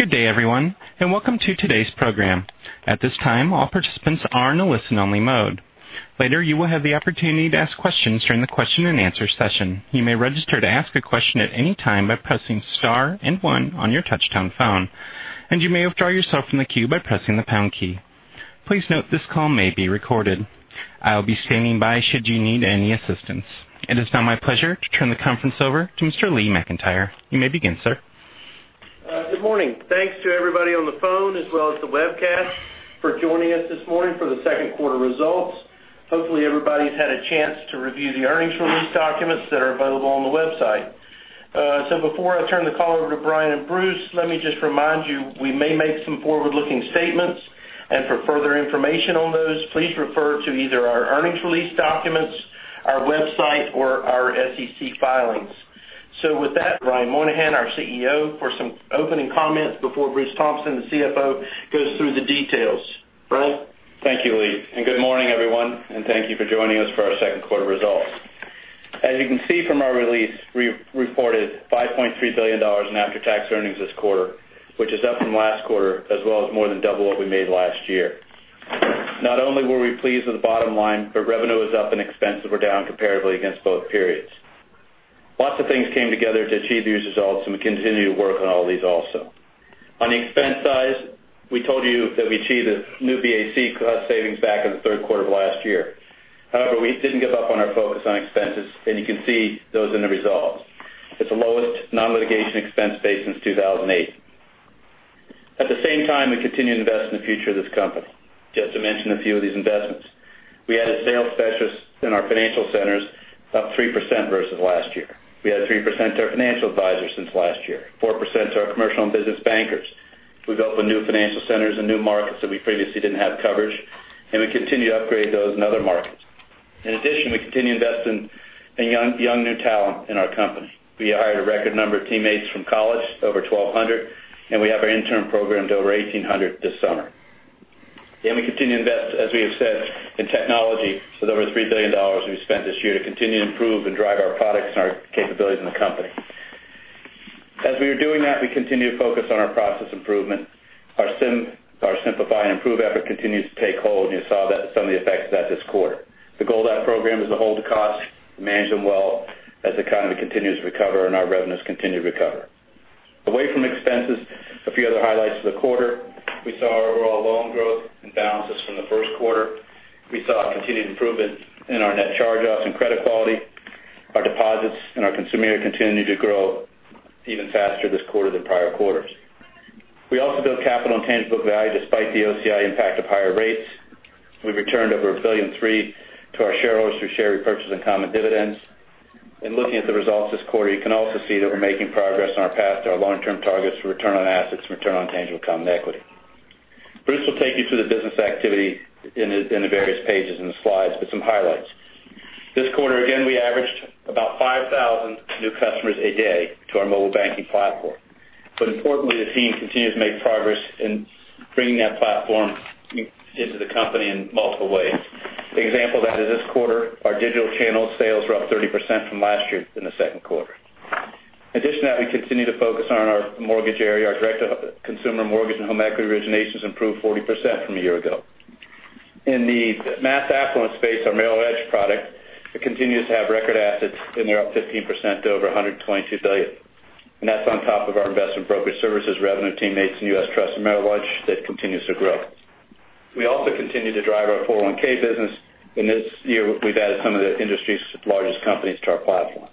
Good day, everyone, and welcome to today's program. At this time, all participants are in a listen-only mode. Later, you will have the opportunity to ask questions during the question and answer session. You may register to ask a question at any time by pressing star and one on your touch-tone phone, and you may withdraw yourself from the queue by pressing the pound key. Please note this call may be recorded. I'll be standing by should you need any assistance. It is now my pleasure to turn the conference over to Mr. Lee McEntire. You may begin, sir. Good morning. Thanks to everybody on the phone as well as the webcast for joining us this morning for the second quarter results. Hopefully, everybody's had a chance to review the earnings release documents that are available on the website. Before I turn the call over to Brian and Bruce, let me just remind you, we may make some forward-looking statements, and for further information on those, please refer to either our earnings release documents, our website, or our SEC filings. With that, Brian Moynihan, our CEO, for some opening comments before Bruce Thompson, the CFO, goes through the details. Brian? Thank you, Lee, and good morning, everyone, and thank you for joining us for our second quarter results. As you can see from our release, we reported $5.3 billion in after-tax earnings this quarter, which is up from last quarter, as well as more than double what we made last year. Not only were we pleased with the bottom line, revenue was up and expenses were down comparably against both periods. Lots of things came together to achieve these results, and we continue to work on all of these also. On the expense side, we told you that we achieved the New BAC cost savings back in the third quarter of last year. However, we didn't give up on our focus on expenses, and you can see those in the results. It's the lowest non-litigation expense base since 2008. At the same time, we continue to invest in the future of this company. Just to mention a few of these investments, we added sales specialists in our financial centers, up 3% versus last year. We added 3% to our financial advisors since last year, 4% to our commercial and business bankers. We've opened new financial centers in new markets that we previously didn't have coverage, and we continue to upgrade those in other markets. In addition, we continue to invest in young new talent in our company. We hired a record number of teammates from college, over 1,200, and we have our intern programs over 1,800 this summer. We continue to invest, as we have said, in technology. There was $3 billion we spent this year to continue to improve and drive our products and our capabilities in the company. As we are doing that, we continue to focus on our process improvement. Our Simplify and Improve effort continues to take hold. You saw some of the effects of that this quarter. The goal of that program is to hold the costs, manage them well as the economy continues to recover and our revenues continue to recover. Away from expenses, a few other highlights of the quarter. We saw our overall loan growth and balances from the first quarter. We saw a continued improvement in our net charge-offs and credit quality. Our deposits and our consumer continued to grow even faster this quarter than prior quarters. We also built capital and tangible book value despite the OCI impact of higher rates. We returned over $1.3 billion to our shareholders through share repurchase and common dividends. In looking at the results this quarter, you can also see that we're making progress on our path to our long-term targets for return on assets and return on tangible common equity. Bruce will take you through the business activity in the various pages in the slides with some highlights. This quarter, again, we averaged about 5,000 new customers a day to our mobile banking platform. Importantly, the team continues to make progress in bringing that platform into the company in multiple ways. The example of that is this quarter, our digital channel sales were up 30% from last year in the second quarter. Additionally, we continue to focus on our mortgage area. Our direct-to-consumer mortgage and home equity originations improved 40% from a year ago. In the mass affluent space, our Merrill Edge product continues to have record assets, and they're up 15% to over $122 billion. That's on top of our investment brokerage services revenue teammates in U.S. Trust and Merrill Lynch that continues to grow. We also continue to drive our 401 business. In this year, we've added some of the industry's largest companies to our platform.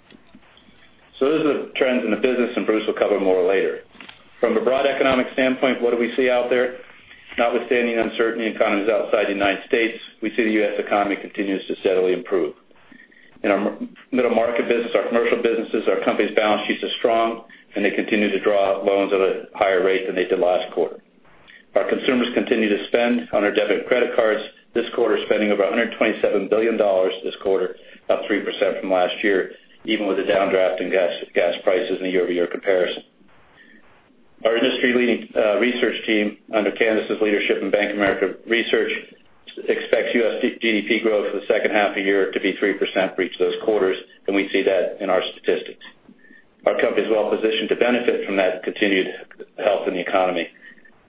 Those are the trends in the business, and Bruce will cover more later. From a broad economic standpoint, what do we see out there? Notwithstanding the uncertainty in economies outside the U.S., we see the U.S. economy continues to steadily improve. In our middle market business, our commercial businesses, our company's balance sheets are strong, and they continue to draw loans at a higher rate than they did last quarter. Our consumers continue to spend on our debit and credit cards this quarter, spending over $127 billion this quarter, up 3% from last year, even with the downdraft in gas prices in the year-over-year comparison. Our industry-leading research team, under Candace's leadership in BofA Global Research, expects U.S. GDP growth for the second half of the year to be 3% for each of those quarters, and we see that in our statistics. Our company is well positioned to benefit from that continued health in the economy,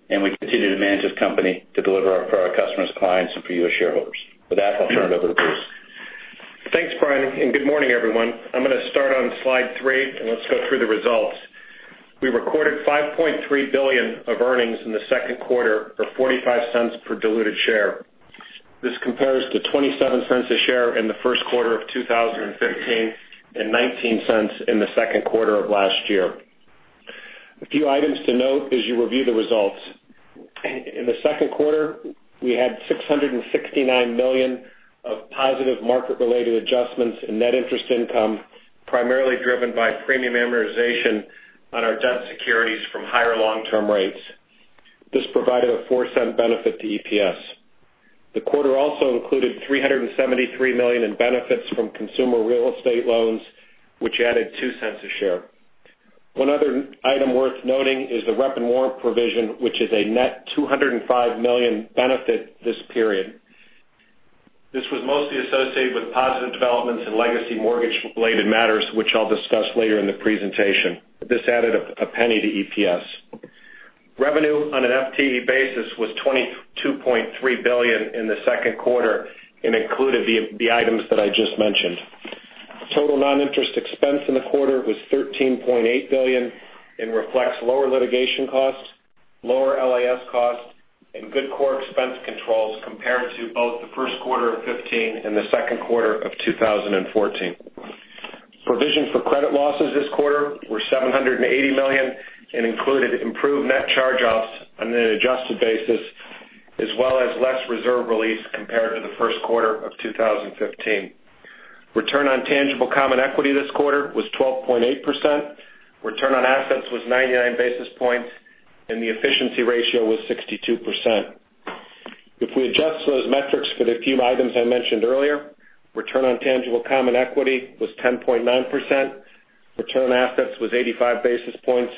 and we continue to manage this company to deliver for our customers, clients, and for you as shareholders. With that, I'll turn it over to Bruce. Thanks, Brian, and good morning, everyone. I'm going to start on slide three. Let's go through the results. We recorded $5.3 billion of earnings in the second quarter for $0.45 per diluted share. This compares to $0.27 a share in the first quarter of 2015 and $0.19 in the second quarter of last year. A few items to note as you review the results. In the second quarter, we had $669 million of positive market-related adjustments in net interest income, primarily driven by premium amortization on our debt securities from higher long-term rates. This provided a $0.04 benefit to EPS. The quarter also included $373 million in benefits from consumer real estate loans, which added $0.02 a share. One other item worth noting is the rep and warrant provision, which is a net $205 million benefit this period. This was mostly associated with positive developments in legacy mortgage-related matters, which I will discuss later in the presentation. This added $0.01 to EPS. Revenue on an FTE basis was $22.3 billion in the second quarter and included the items that I just mentioned. Total non-interest expense in the quarter was $13.8 billion and reflects lower litigation costs, lower LAS costs, and good core expense controls compared to both the first quarter of 2015 and the second quarter of 2014. Provision for credit losses this quarter were $780 million and included improved net charge-offs on an adjusted basis, as well as less reserve release compared to the first quarter of 2015. Return on tangible common equity this quarter was 12.8%, return on assets was 99 basis points, and the efficiency ratio was 62%. If we adjust those metrics for the few items I mentioned earlier, return on tangible common equity was 10.9%, return on assets was 85 basis points,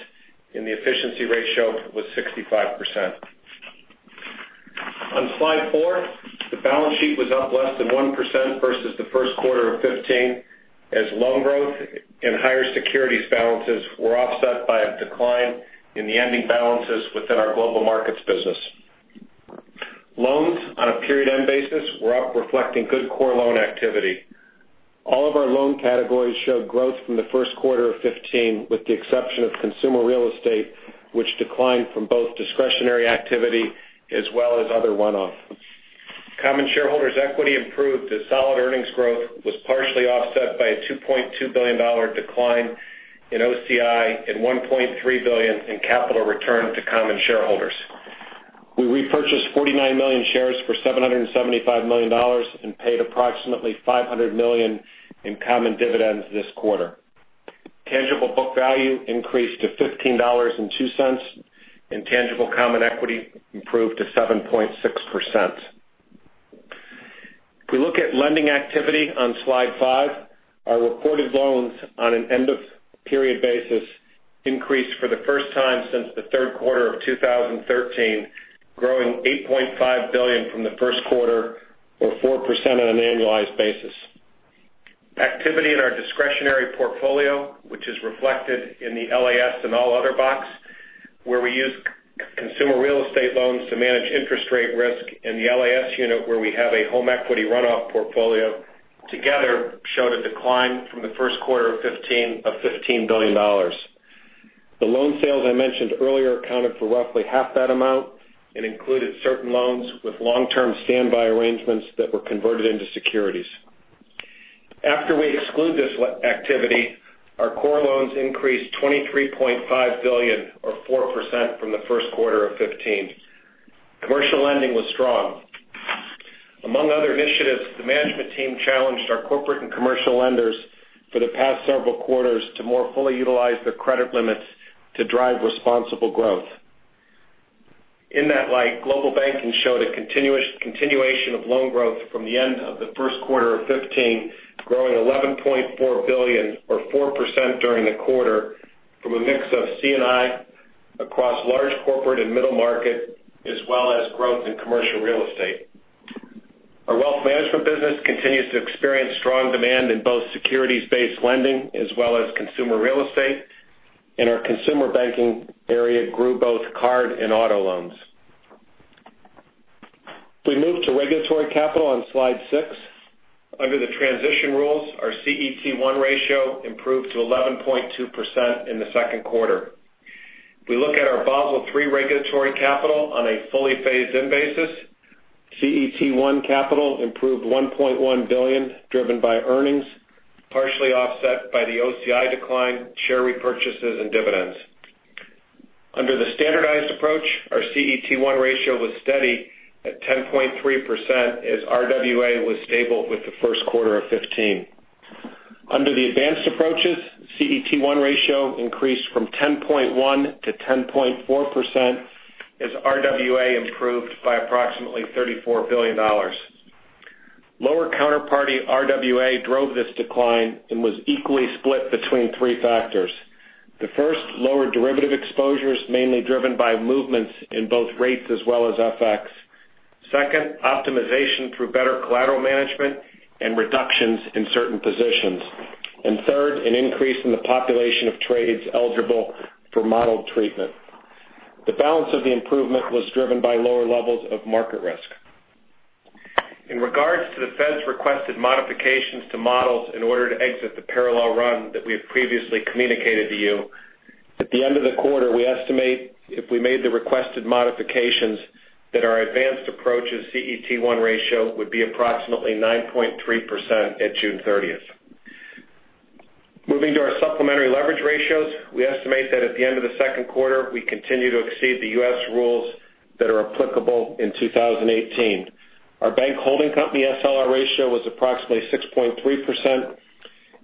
and the efficiency ratio was 65%. On slide four, the balance sheet was up less than 1% versus the first quarter of 2015, as loan growth and higher securities balances were offset by a decline in the ending balances within our global markets business. Loans on a period end basis were up, reflecting good core loan activity. All of our loan categories showed growth from the first quarter of 2015, with the exception of consumer real estate, which declined from both discretionary activity as well as other one-offs. Common shareholders' equity improved as solid earnings growth was partially offset by a $2.2 billion decline in OCI and $1.3 billion in capital return to common shareholders. We repurchased 49 million shares for $775 million and paid approximately $500 million in common dividends this quarter. Tangible book value increased to $15.02, and tangible common equity improved to 7.6%. If we look at lending activity on Slide 5, our reported loans on an end-of-period basis increased for the first time since the third quarter of 2013, growing $8.5 billion from the first quarter or 4% on an annualized basis. Activity in our discretionary portfolio, which is reflected in the LAS and all other box, where we use consumer real estate loans to manage interest rate risk in the LAS unit, where we have a home equity runoff portfolio together showed a decline from the first quarter of 2015 of $15 billion. The loan sales I mentioned earlier accounted for roughly half that amount and included certain loans with long-term standby arrangements that were converted into securities. After we exclude this activity, our core loans increased $23.5 billion or 4% from the first quarter of 2015. Commercial lending was strong. Among other initiatives, the management team challenged our corporate and commercial lenders for the past several quarters to more fully utilize their credit limits to drive responsible growth. In that light, global banking showed a continuation of loan growth from the end of the first quarter of 2015, growing $11.4 billion or 4% during the quarter from a mix of C&I across large corporate and middle market, as well as growth in commercial real estate. Our wealth management business continues to experience strong demand in both securities-based lending as well as consumer real estate, and our consumer banking area grew both card and auto loans. If we move to regulatory capital on Slide six. Under the transition rules, our CET1 ratio improved to 11.2% in the second quarter. If we look at our Basel III regulatory capital on a fully phased-in basis, CET1 capital improved $1.1 billion, driven by earnings, partially offset by the OCI decline, share repurchases, and dividends. Under the standardized approach, our CET1 ratio was steady at 10.3% as RWA was stable with the first quarter of 2015. Under the advanced approaches, CET1 ratio increased from 10.1% to 10.4% as RWA improved by approximately $34 billion. Lower counterparty RWA drove this decline and was equally split between three factors. The first, lower derivative exposures mainly driven by movements in both rates as well as FX. Second, optimization through better collateral management and reductions in certain positions. Third, an increase in the population of trades eligible for modeled treatment. The balance of the improvement was driven by lower levels of market risk. In regards to the Fed's requested modifications to models in order to exit the parallel run that we have previously communicated to you, at the end of the quarter, we estimate if we made the requested modifications, that our advanced approach's CET1 ratio would be approximately 9.3% at June 30th. Moving to our supplementary leverage ratios. We estimate that at the end of the second quarter, we continue to exceed the U.S. rules that are applicable in 2018. Our bank holding company SLR ratio was approximately 6.3%,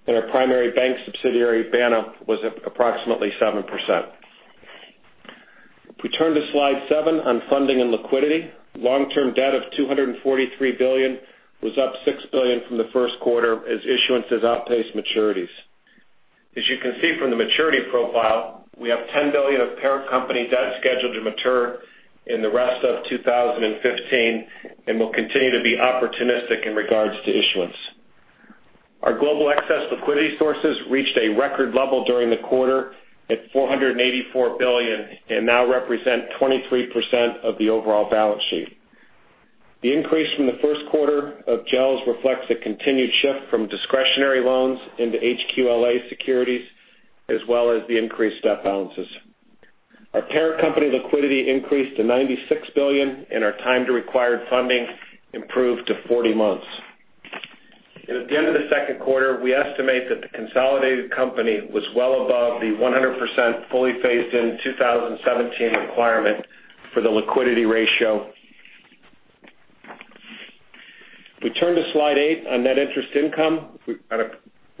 and our primary bank subsidiary, BANA, was approximately 7%. If we turn to Slide seven on funding and liquidity. Long-term debt of $243 billion was up $6 billion from the first quarter as issuances outpaced maturities. As you can see from the maturity profile, we have $10 billion of parent company debt scheduled to mature in the rest of 2015, we'll continue to be opportunistic in regards to issuance. Our global excess liquidity sources reached a record level during the quarter at $484 billion and now represent 23% of the overall balance sheet. The increase from the first quarter of GELS reflects a continued shift from discretionary loans into HQLA securities, as well as the increased debt balances. Our parent company liquidity increased to $96 billion, and our time to required funding improved to 40 months. At the end of the second quarter, we estimate that the consolidated company was well above the 100% fully phased-in 2017 requirement for the liquidity ratio. We turn to slide eight on net interest income. On a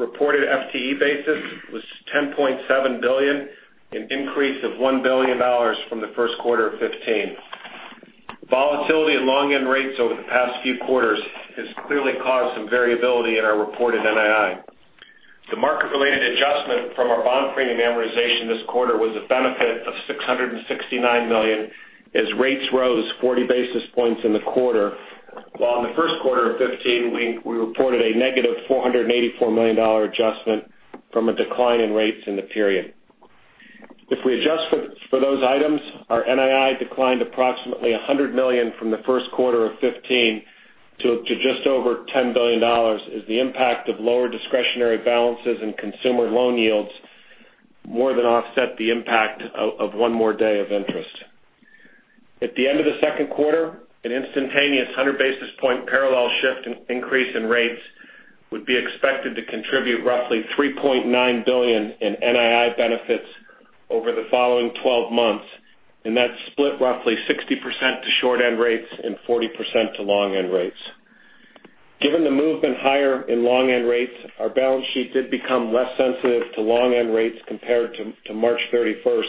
reported FTE basis, it was $10.7 billion, an increase of $1 billion from the first quarter of 2015. Volatility in long-end rates over the past few quarters has clearly caused some variability in our reported NII. The market-related adjustment from our bond premium amortization this quarter was a benefit of $669 million as rates rose 40 basis points in the quarter. While in the first quarter of 2015, we reported a negative $484 million adjustment from a decline in rates in the period. If we adjust for those items, our NII declined approximately $100 million from the first quarter of 2015 to just over $10 billion as the impact of lower discretionary balances and consumer loan yields more than offset the impact of one more day of interest. At the end of the second quarter, an instantaneous 100-basis-point parallel shift increase in rates would be expected to contribute roughly $3.9 billion in NII benefits over the following 12 months, that's split roughly 60% to short-end rates and 40% to long-end rates. Given the movement higher in long-end rates, our balance sheet did become less sensitive to long-end rates compared to March 31st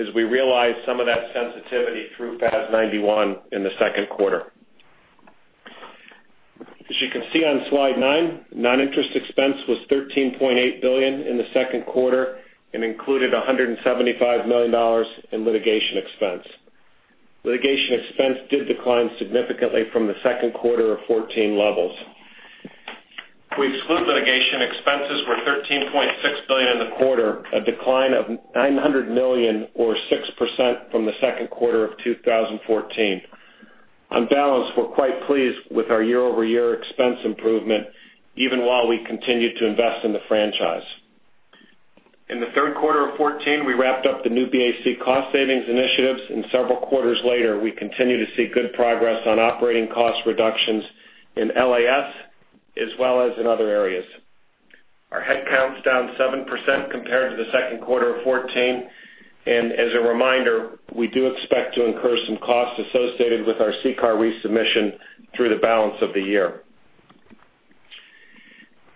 as we realized some of that sensitivity through FAS 91 in the second quarter. As you can see on slide nine, non-interest expense was $13.8 billion in the second quarter and included $175 million in litigation expense. Litigation expense did decline significantly from the second quarter of 2014 levels. If we exclude litigation, expenses were $13.6 billion in the quarter, a decline of $900 million or 6% from the second quarter of 2014. On balance, we're quite pleased with our year-over-year expense improvement, even while we continued to invest in the franchise. In the third quarter of 2014, we wrapped up the New BAC cost savings initiatives, several quarters later, we continue to see good progress on operating cost reductions in LAS as well as in other areas. Our headcount is down 7% compared to the second quarter of 2014. As a reminder, we do expect to incur some costs associated with our CCAR resubmission through the balance of the year.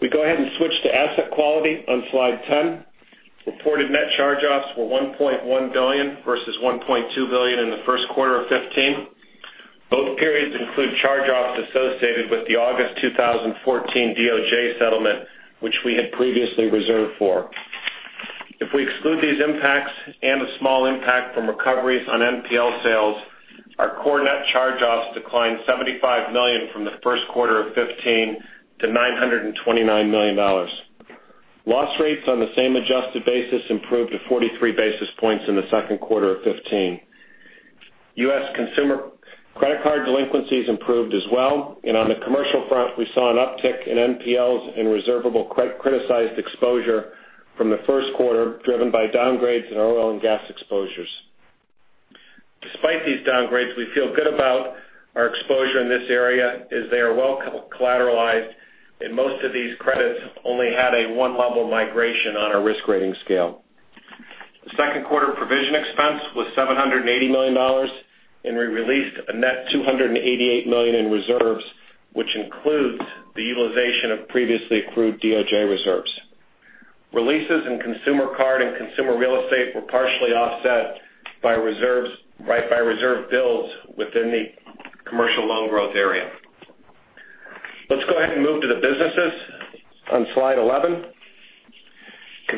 We go ahead and switch to asset quality on slide 10. Reported net charge-offs were $1.1 billion versus $1.2 billion in the first quarter of 2015. Both periods include charge-offs associated with the August 2014 DOJ settlement, which we had previously reserved for. If we exclude these impacts and a small impact from recoveries on NPL sales, our core net charge-offs declined $75 million from the first quarter of 2015 to $929 million. Loss rates on the same adjusted basis improved to 43 basis points in the second quarter of 2015. U.S. consumer credit card delinquencies improved as well. On the commercial front, we saw an uptick in NPLs and reservable criticized exposure from the first quarter, driven by downgrades in our oil and gas exposures. Despite these downgrades, we feel good about our exposure in this area as they are well collateralized and most of these credits only had a 1-level migration on our risk rating scale. The second quarter provision expense was $780 million, we released a net $288 million in reserves, which includes the utilization of previously accrued DOJ reserves. Releases in consumer card and consumer real estate were partially offset by reserve builds within the commercial loan growth area. Let's go ahead and move to the businesses on slide 11.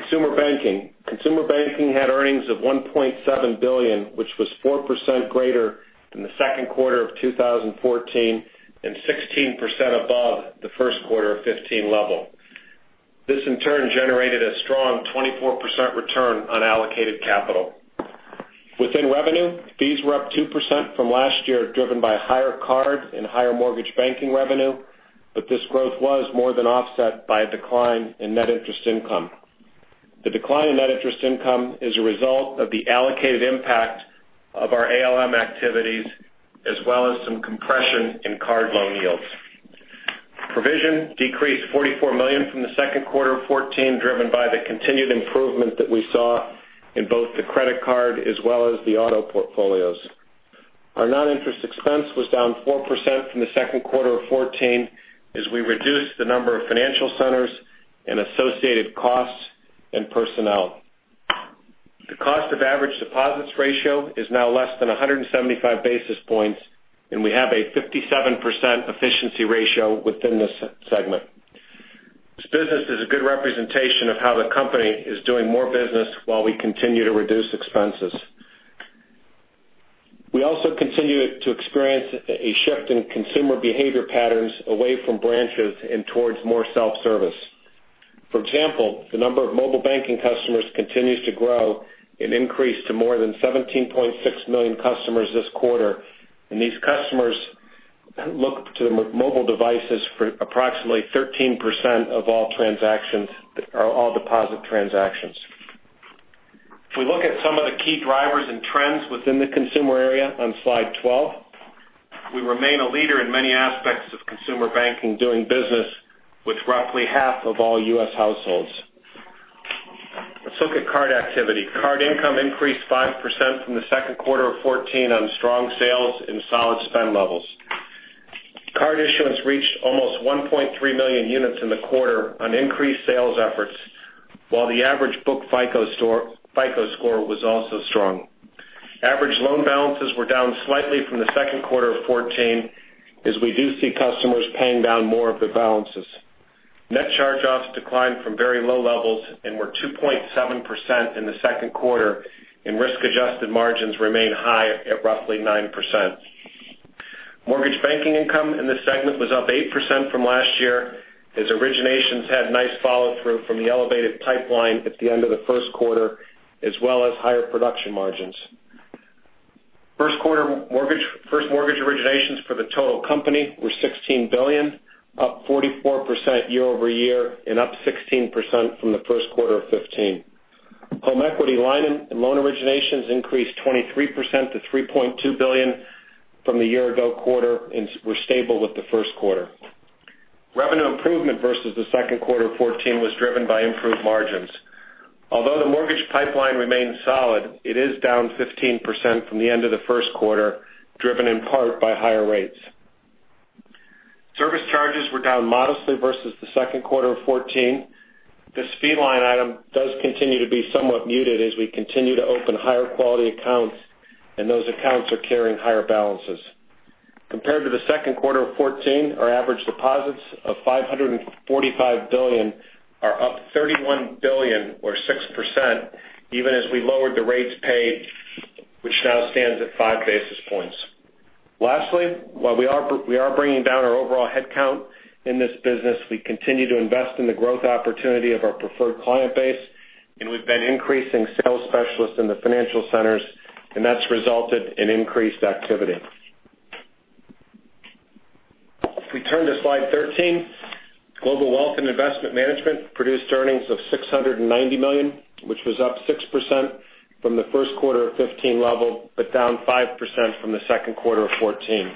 Consumer Banking. Consumer Banking had earnings of $1.7 billion, which was 4% greater than the second quarter of 2014 and 16% above the first quarter of 2015 level. This in turn generated a strong 24% return on allocated capital. Within revenue, fees were up 2% from last year, driven by higher card and higher mortgage banking revenue, this growth was more than offset by a decline in net interest income. The decline in net interest income is a result of the allocated impact of our ALM activities as well as some compression in card loan yields. Provision decreased $44 million from the second quarter of 2014, driven by the continued improvement that we saw in both the credit card as well as the auto portfolios. Our non-interest expense was down 4% from the second quarter of 2014 as we reduced the number of financial centers and associated costs and personnel. The cost of average deposits ratio is now less than 175 basis points, we have a 57% efficiency ratio within this segment. This business is a good representation of how the company is doing more business while we continue to reduce expenses. We also continue to experience a shift in consumer behavior patterns away from branches and towards more self-service. For example, the number of mobile banking customers continues to grow and increase to more than 17.6 million customers this quarter. These customers look to mobile devices for approximately 13% of all deposit transactions. If we look at some of the key drivers and trends within the consumer area on slide 12, we remain a leader in many aspects of Consumer Banking, doing business with roughly half of all U.S. households. Let's look at card activity. Card income increased 5% from the second quarter of 2014 on strong sales and solid spend levels. Card issuance reached almost 1.3 million units in the quarter on increased sales efforts, while the average book FICO score was also strong. Average loan balances were down slightly from the second quarter of 2014, as we do see customers paying down more of their balances. Net charge-offs declined from very low levels and were 2.7% in the second quarter, risk-adjusted margins remain high at roughly 9%. Mortgage banking income in this segment was up 8% from last year, as originations had nice follow-through from the elevated pipeline at the end of the first quarter, as well as higher production margins. First mortgage originations for the total company were $16 billion, up 44% year-over-year and up 16% from the first quarter of 2015. Home equity line and loan originations increased 23% to $3.2 billion from the year-ago quarter and were stable with the first quarter. Revenue improvement versus the second quarter of 2014 was driven by improved margins. Although the mortgage pipeline remains solid, it is down 15% from the end of the first quarter, driven in part by higher rates. Service charges were down modestly versus the second quarter of 2014. This fee line item does continue to be somewhat muted as we continue to open higher-quality accounts, and those accounts are carrying higher balances. Compared to the second quarter of 2014, our average deposits of $545 billion are up $31 billion or 6%, even as we lowered the rates paid, which now stands at five basis points. Lastly, while we are bringing down our overall headcount in this business, we continue to invest in the growth opportunity of our preferred client base, and we've been increasing sales specialists in the financial centers, and that's resulted in increased activity. If we turn to slide 13, Global Wealth and Investment Management produced earnings of $690 million, which was up 6% from the first quarter of 2015 level, but down 5% from the second quarter of 2014.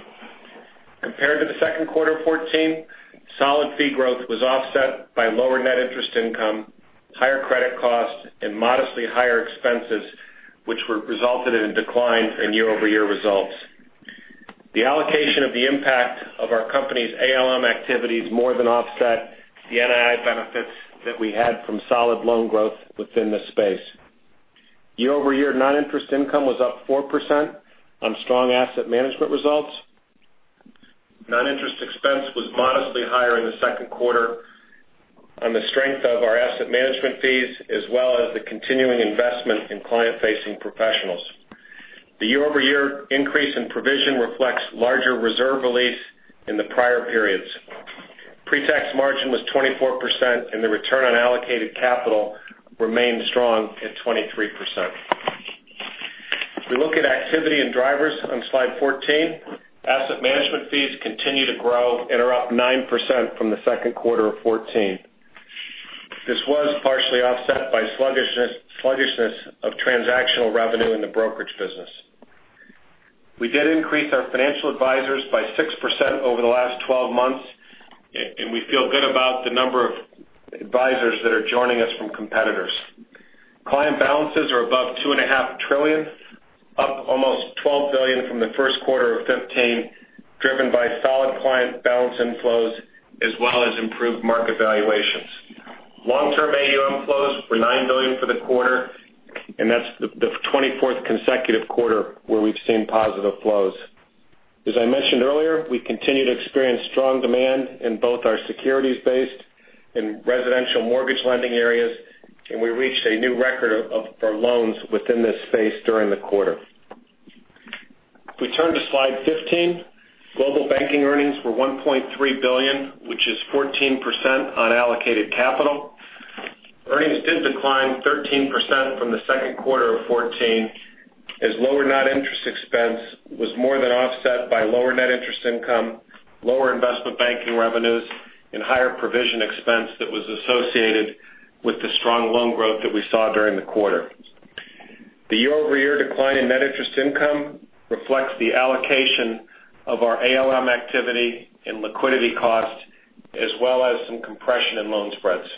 Compared to the second quarter of 2014, solid fee growth was offset by lower net interest income, higher credit costs, and modestly higher expenses, which resulted in a decline in year-over-year results. The allocation of the impact of our company's ALM activities more than offset the NII benefits that we had from solid loan growth within this space. Year-over-year, non-interest income was up 4% on strong asset management results. Non-interest expense was modestly higher in the second quarter on the strength of our asset management fees, as well as the continuing investment in client-facing professionals. The year-over-year increase in provision reflects larger reserve release in the prior periods. Pre-tax margin was 24%, and the return on allocated capital remained strong at 23%. If we look at activity and drivers on slide 14, asset management fees continue to grow and are up 9% from the second quarter of 2014. This was partially offset by sluggishness of transactional revenue in the brokerage business. We did increase our financial advisors by 6% over the last 12 months, and we feel good about the number of advisors that are joining us from competitors. Client balances are above $2.5 trillion, up almost $12 billion from the first quarter of 2015, driven by solid client balance inflows as well as improved market valuations. Long-term AUM flows were $9 billion for the quarter, and that's the 24th consecutive quarter where we've seen positive flows. As I mentioned earlier, we continue to experience strong demand in both our securities-based and residential mortgage lending areas, and we reached a new record of our loans within this space during the quarter. If we turn to slide 15, global banking earnings were $1.3 billion, which is 14% on allocated capital. Earnings did decline 13% from the second quarter of 2014, as lower net interest expense was more than offset by lower net interest income, lower investment banking revenues, and higher provision expense that was associated with the strong loan growth that we saw during the quarter. The year-over-year decline in net interest income reflects the allocation of our ALM activity and liquidity cost, as well as some compression in loan spreads.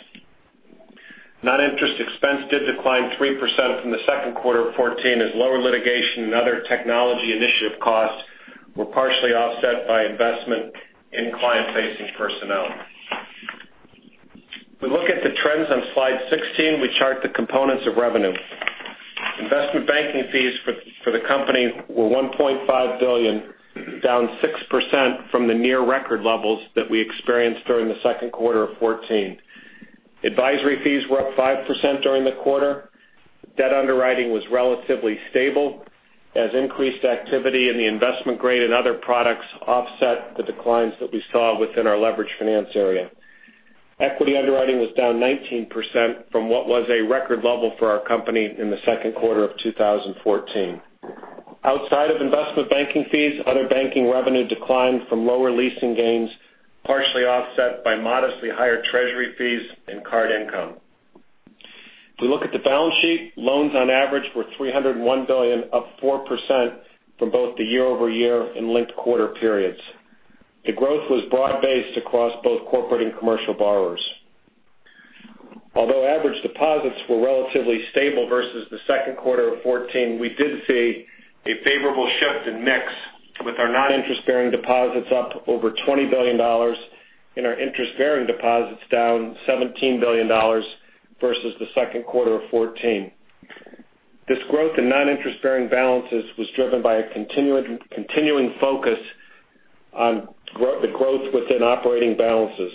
Non-interest expense did decline 3% from the second quarter of 2014, as lower litigation and other technology initiative costs were partially offset by investment in client-facing personnel. If we look at the trends on Slide 16, we chart the components of revenue. Investment banking fees for the company were $1.5 billion, down 6% from the near record levels that we experienced during the second quarter of 2014. Advisory fees were up 5% during the quarter. Debt underwriting was relatively stable as increased activity in the investment grade and other products offset the declines that we saw within our leveraged finance area. Equity underwriting was down 19% from what was a record level for our company in the second quarter of 2014. Outside of investment banking fees, other banking revenue declined from lower leasing gains, partially offset by modestly higher treasury fees and card income. If we look at the balance sheet, loans on average were $301 billion, up 4% from both the year-over-year and linked quarter periods. The growth was broad-based across both corporate and commercial borrowers. Although average deposits were relatively stable versus the second quarter of 2014, we did see a favorable shift in mix with our non-interest-bearing deposits up over $20 billion and our interest-bearing deposits down $17 billion versus the second quarter of 2014. This growth in non-interest-bearing balances was driven by a continuing focus on the growth within operating balances.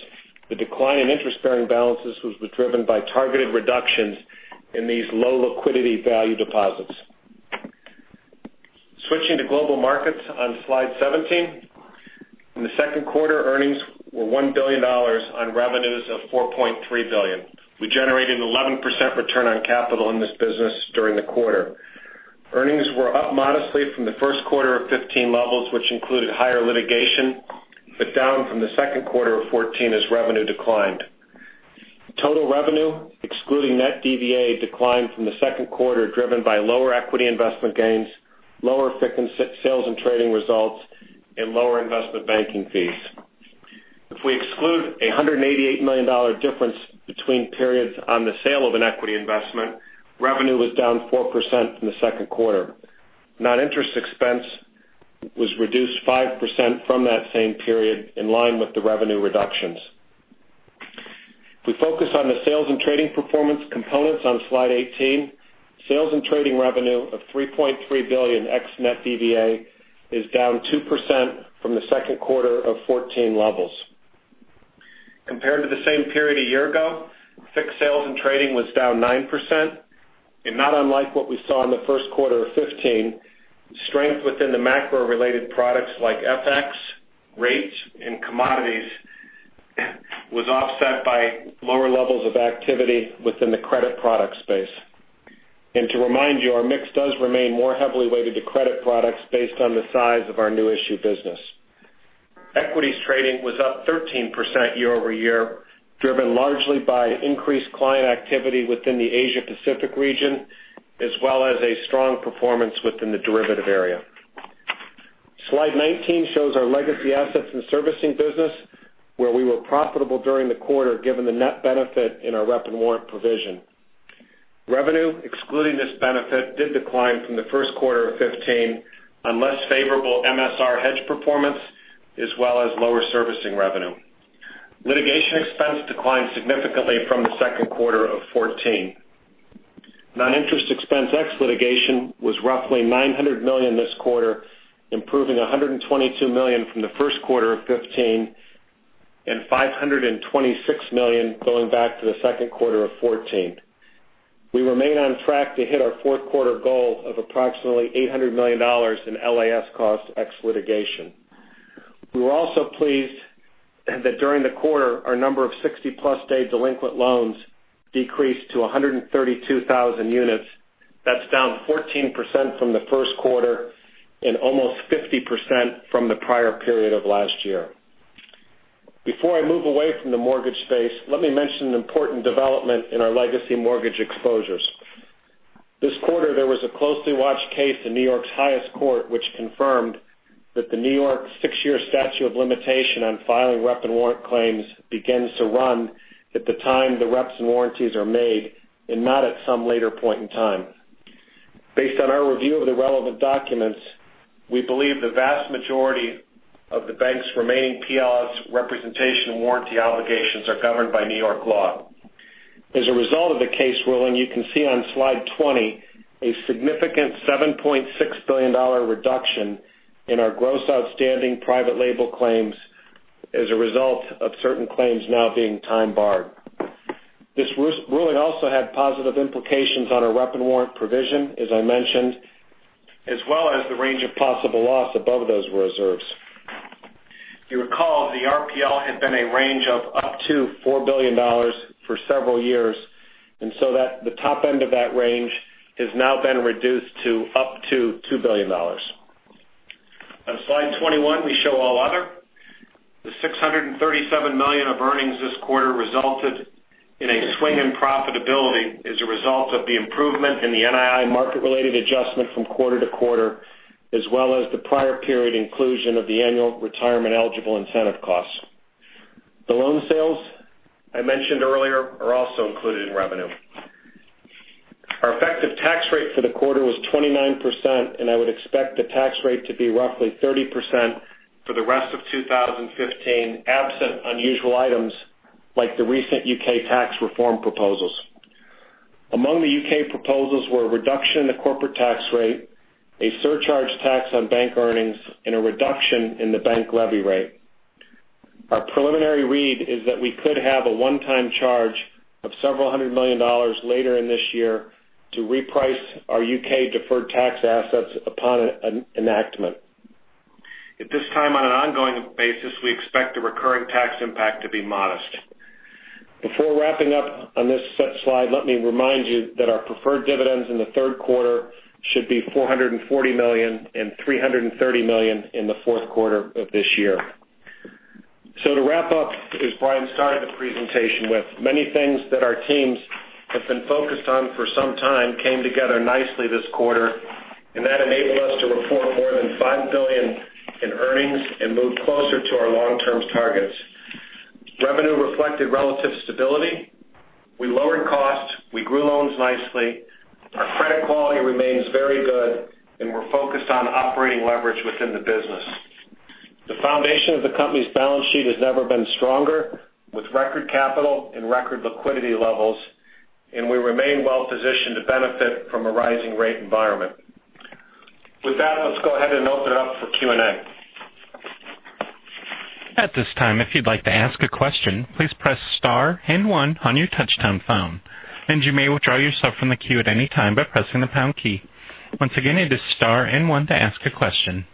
The decline in interest-bearing balances was driven by targeted reductions in these low liquidity value deposits. Switching to global markets on Slide 17. In the second quarter, earnings were $1 billion on revenues of $4.3 billion. We generated an 11% return on capital in this business during the quarter. Earnings were up modestly from the first quarter of 2015 levels, which included higher litigation, but down from the second quarter of 2014 as revenue declined. Total revenue, excluding net DVA, declined from the second quarter, driven by lower equity investment gains, lower FICC and sales and trading results, and lower investment banking fees. If we exclude $188 million difference between periods on the sale of an equity investment, revenue was down 4% from the second quarter. Non-interest expense was reduced 5% from that same period, in line with the revenue reductions. If we focus on the sales and trading performance components on Slide 18, sales and trading revenue of $3.3 billion ex net DVA is down 2% from the second quarter of 2014 levels. Compared to the same period a year ago, FICC sales and trading was down 9%. Not unlike what we saw in the first quarter of 2015, strength within the macro-related products like FX, rates, and commodities was offset by lower levels of activity within the credit product space. To remind you, our mix does remain more heavily weighted to credit products based on the size of our new issue business. Equities trading was up 13% year-over-year, driven largely by increased client activity within the Asia Pacific region, as well as a strong performance within the derivative area. Slide 19 shows our Legacy Assets and Servicing business, where we were profitable during the quarter, given the net benefit in our rep and warrant provision. Revenue, excluding this benefit, did decline from the first quarter of 2015 on less favorable MSR hedge performance, as well as lower servicing revenue. Litigation expense declined significantly from the second quarter of 2014. Non-interest expense ex litigation was roughly $900 million this quarter, improving $122 million from the first quarter of 2015 and $526 million going back to the second quarter of 2014. We remain on track to hit our fourth-quarter goal of approximately $800 million in LAS costs ex litigation. We were also pleased that during the quarter, our number of 60-plus day delinquent loans decreased to 132,000 units. That is down 14% from the first quarter and almost 50% from the prior period of last year. Before I move away from the mortgage space, let me mention an important development in our legacy mortgage exposures. This quarter, there was a closely watched case in New York's highest court, which confirmed that the New York six-year statute of limitation on filing rep and warrant claims begins to run at the time the reps and warranties are made and not at some later point in time. Based on our review of the relevant documents, we believe the vast majority of the Bank's remaining PLS representation and warranty obligations are governed by New York law. As a result of the case ruling, you can see on Slide 20, a significant $7.6 billion reduction in our gross outstanding private label claims as a result of certain claims now being time-barred. This ruling also had positive implications on our rep and warrant provision, as I mentioned, as well as the range of possible loss above those reserves. You recall the RPL had been a range of up to $4 billion for several years, and the top end of that range has now been reduced to up to $2 billion. On Slide 21, we show all other. The $637 million of earnings this quarter resulted in a swing in profitability as a result of the improvement in the NII market-related adjustment from quarter-to-quarter, as well as the prior period inclusion of the annual retirement-eligible incentive costs. The loan sales I mentioned earlier are also included in revenue. Our effective tax rate for the quarter was 29%, and I would expect the tax rate to be roughly 30% for the rest of 2015, absent unusual items like the recent U.K. tax reform proposals. Among the U.K. proposals were a reduction in the corporate tax rate, a surcharge tax on bank earnings, and a reduction in the bank levy rate. Our preliminary read is that we could have a one-time charge of several hundred million dollars later in this year to reprice our U.K. deferred tax assets upon enactment. At this time, on an ongoing basis, we expect the recurring tax impact to be modest. Before wrapping up on this set slide, let me remind you that our preferred dividends in the third quarter should be $440 million and $330 million in the fourth quarter of this year. To wrap up, as Brian started the presentation with, many things that our teams have been focused on for some time came together nicely this quarter, and that enabled us to report more than $5 billion in earnings and move closer to our long-term targets. Revenue reflected relative stability. We lowered costs. We grew loans nicely. Our credit quality remains very good, and we are focused on operating leverage within the business. The foundation of the Company's balance sheet has never been stronger, with record capital and record liquidity levels, and we remain well-positioned to benefit from a rising rate environment. With that, let us go ahead and open it up for Q&A. At this time, if you'd like to ask a question, please press star and one on your touch-tone phone, and you may withdraw yourself from the queue at any time by pressing the pound key. Once again, it is star and one to ask a question.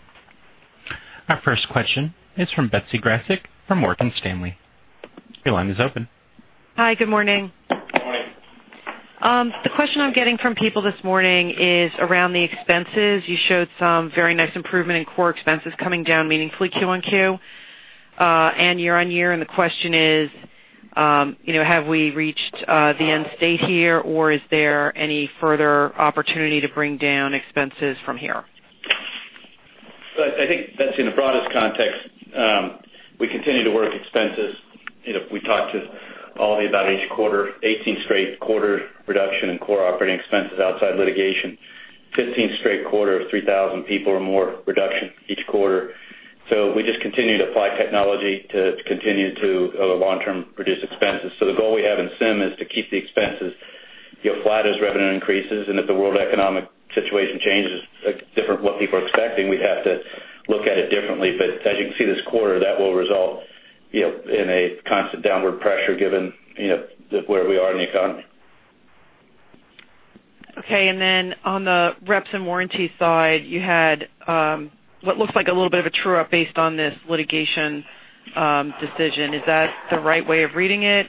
Our first question is from Betsy Graseck from Morgan Stanley. Your line is open. Hi, good morning. Good morning. The question I'm getting from people this morning is around the expenses. You showed some very nice improvement in core expenses coming down meaningfully Q on Q, and year on year. The question is, have we reached the end state here, or is there any further opportunity to bring down expenses from here? I think, Betsy, in the broadest context, we continue to work expenses. We talked to Ollie about each quarter, 18 straight quarter reduction in core operating expenses outside litigation. 15 straight quarter of 3,000 people or more reduction each quarter. We just continue to apply technology to continue to long-term reduce expenses. The goal we have in SIM is to keep the expenses flat as revenue increases, and if the world economic situation changes different what people are expecting, we'd have to look at it differently. As you can see this quarter, that will result in a constant downward pressure given where we are in the economy. Okay. On the reps and warranty side, you had what looks like a little bit of a true-up based on this litigation decision. Is that the right way of reading it?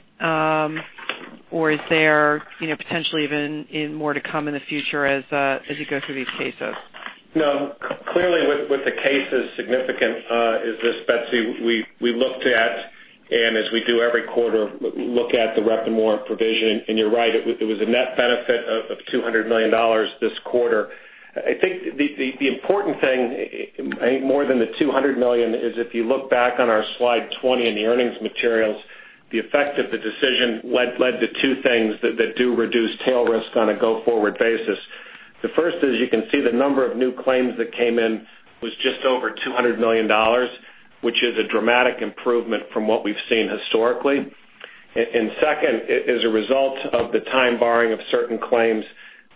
Is there potentially even more to come in the future as you go through these cases? No. Clearly, with the cases significant is this, Betsy, we looked at, and as we do every quarter, look at the rep and warrant provision, and you're right, it was a net benefit of $200 million this quarter. I think the important thing, I think more than the $200 million, is if you look back on our slide 20 in the earnings materials, the effect of the decision led to two things that do reduce tail risk on a go-forward basis. The first is you can see the number of new claims that came in was just over $200 million, which is a dramatic improvement from what we've seen historically. Second, as a result of the time barring of certain claims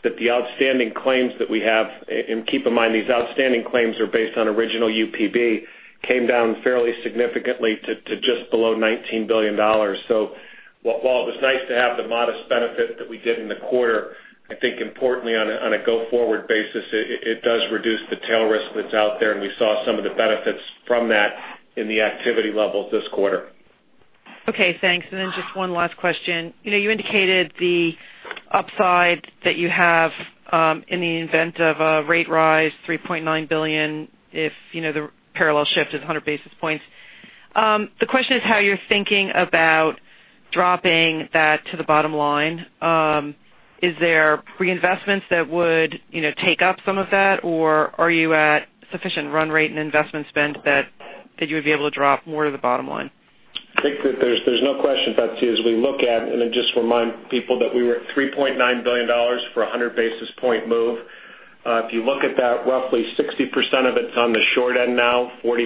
that the outstanding claims that we have, and keep in mind, these outstanding claims are based on original UPB, came down fairly significantly to just below $19 billion. While it was nice to have the modest benefit that we did in the quarter, I think importantly on a go-forward basis, it does reduce the tail risk that's out there, and we saw some of the benefits from that in the activity levels this quarter. Okay, thanks. Then just one last question. You indicated the upside that you have in the event of a rate rise, $3.9 billion if the parallel shift is 100 basis points. The question is how you're thinking about dropping that to the bottom line. Is there reinvestments that would take up some of that, or are you at sufficient run rate and investment spend that you would be able to drop more to the bottom line? I think that there's no question, Betsy. Then just remind people that we were at $3.9 billion for 100 basis point move. If you look at that, roughly 60% of it's on the short end now, 40%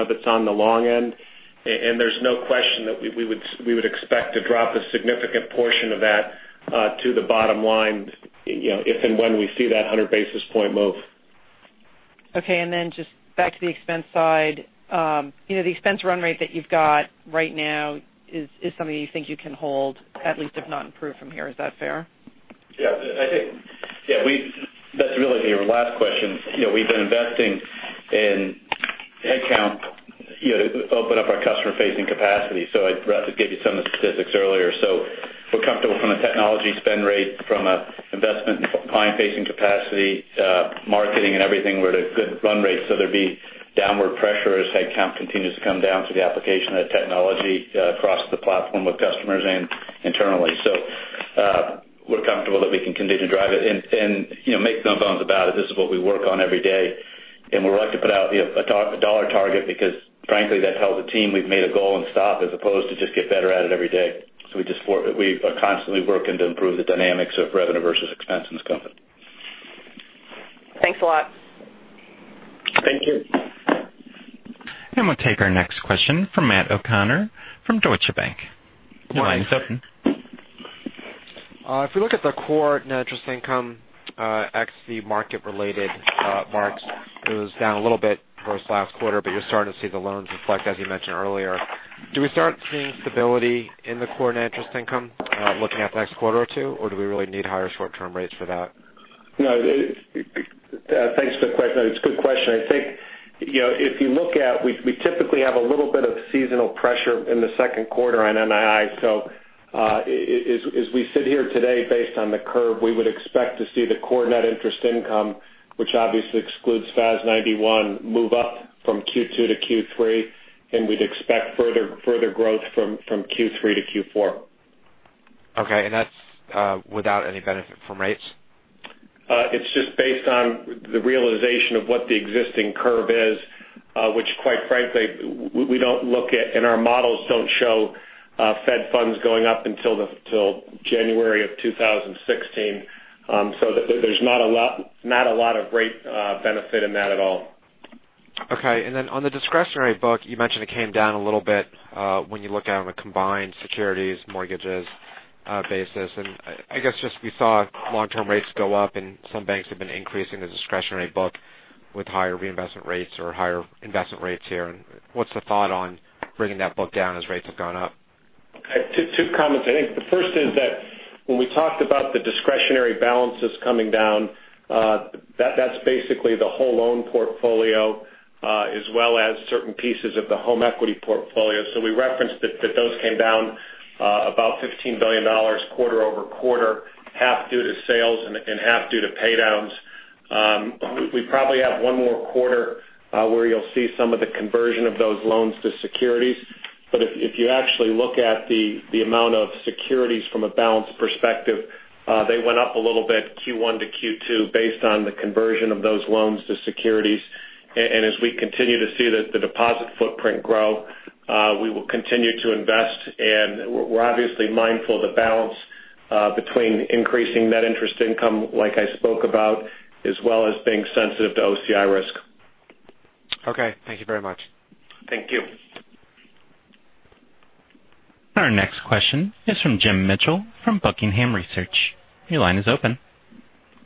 of it's on the long end. There's no question that we would expect to drop a significant portion of that to the bottom line if and when we see that 100 basis point move. Okay, then just back to the expense side. The expense run rate that you've got right now is something that you think you can hold, at least if not improve from here. Is that fair? Yeah. That's really your last question. We've been investing in headcount to open up our customer-facing capacity. I'd rather give you some of the statistics earlier. We're comfortable from a technology spend rate, from an investment in client-facing capacity, marketing, and everything. We're at a good run rate, there'd be downward pressure as headcount continues to come down through the application of technology across the platform with customers and internally. We're comfortable that we can continue to drive it and make no bones about it. This is what we work on every day. We're likely to put out a dollar target because frankly, that tells the team we've made a goal and stop as opposed to just get better at it every day. We are constantly working to improve the dynamics of revenue versus expense in this company. Thanks a lot. Thank you. We'll take our next question from Matt O'Connor from Deutsche Bank. Your line is open. If we look at the core net interest income, x the market-related marks, it was down a little bit versus last quarter, but you're starting to see the loans reflect, as you mentioned earlier. Do we start seeing stability in the core net interest income looking at the next quarter or two, or do we really need higher short-term rates for that? No. Thanks for the question. It's a good question. I think, if you look at, we typically have a little bit of seasonal pressure in the second quarter on NII. As we sit here today, based on the curve, we would expect to see the core net interest income, which obviously excludes FAS 91, move up from Q2 to Q3, and we'd expect further growth from Q3 to Q4. Okay, that's without any benefit from rates? It's just based on the realization of what the existing curve is, which quite frankly, we don't look at, and our models don't show Fed funds going up until January of 2016. There's not a lot of rate benefit in that at all. Okay. Then on the discretionary book, you mentioned it came down a little bit when you look at a combined securities mortgages basis. I guess just we saw long-term rates go up and some banks have been increasing the discretionary book with higher reinvestment rates or higher investment rates here. What's the thought on bringing that book down as rates have gone up? Okay, two comments. I think the first is that when we talked about the discretionary balances coming down, that's basically the whole loan portfolio, as well as certain pieces of the home equity portfolio. We referenced that those came down about $15 billion quarter-over-quarter, half due to sales and half due to pay downs. We probably have one more quarter where you'll see some of the conversion of those loans to securities. If you actually look at the amount of securities from a balance perspective, they went up a little bit Q1 to Q2 based on the conversion of those loans to securities. As we continue to see the deposit footprint grow, we will continue to invest. We're obviously mindful of the balance between increasing NII, like I spoke about, as well as being sensitive to OCI risk. Okay. Thank you very much. Thank you. Our next question is from James Mitchell from Buckingham Research. Your line is open.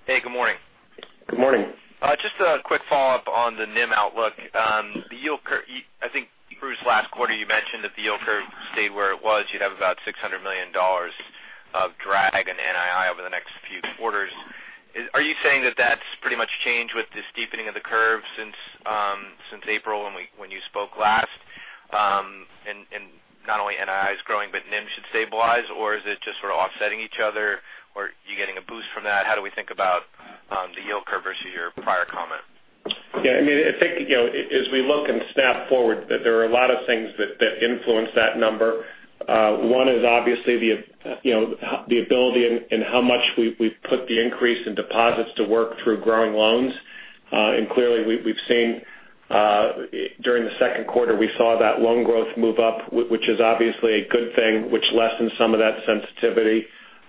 Hey, good morning. Good morning. Just a quick follow-up on the NIM outlook. I think, Bruce, last quarter you mentioned if the yield curve stayed where it was, you'd have about $600 million of drag in NII over the next few quarters. Are you saying that that's pretty much changed with the steepening of the curve since April when you spoke last? Not only NII is growing, but NIM should stabilize, or is it just sort of offsetting each other, or are you getting a boost from that? How do we think about the yield curve versus your prior comment? I think as we look and snap forward, there are a lot of things that influence that number. One is obviously the ability and how much we put the increase in deposits to work through growing loans. Clearly during the second quarter, we saw that loan growth move up, which is obviously a good thing, which lessens some of that sensitivity.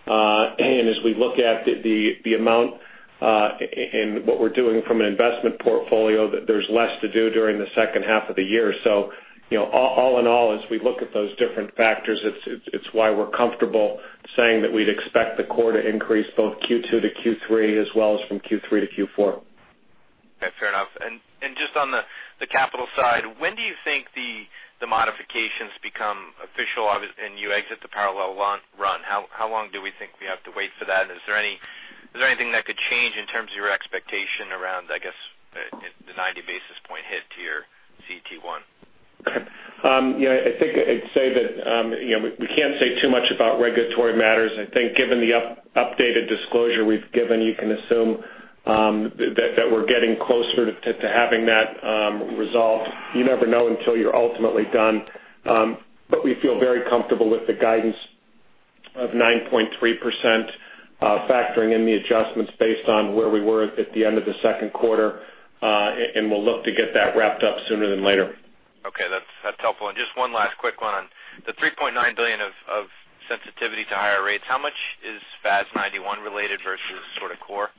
As we look at the amount and what we're doing from an investment portfolio, there's less to do during the second half of the year. All in all, as we look at those different factors, it's why we're comfortable saying that we'd expect the core to increase both Q2 to Q3 as well as from Q3 to Q4. Okay. Fair enough. Just on the capital side, when do you think the modifications become official and you exit the parallel run? How long do we think we have to wait for that? Is there anything that could change in terms of your expectation around, I guess, the 90 basis point hit to your CET1? I think I'd say that we can't say too much about regulatory matters. I think given the updated disclosure we've given, you can assume that we're getting closer to having that resolved. You never know until you're ultimately done. We feel very comfortable with the guidance of 9.3%, factoring in the adjustments based on where we were at the end of the second quarter. We'll look to get that wrapped up sooner than later. Okay. That's helpful. Just one last quick one on the $3.9 billion of sensitivity to higher rates. How much is FAS 91 related versus sort of core?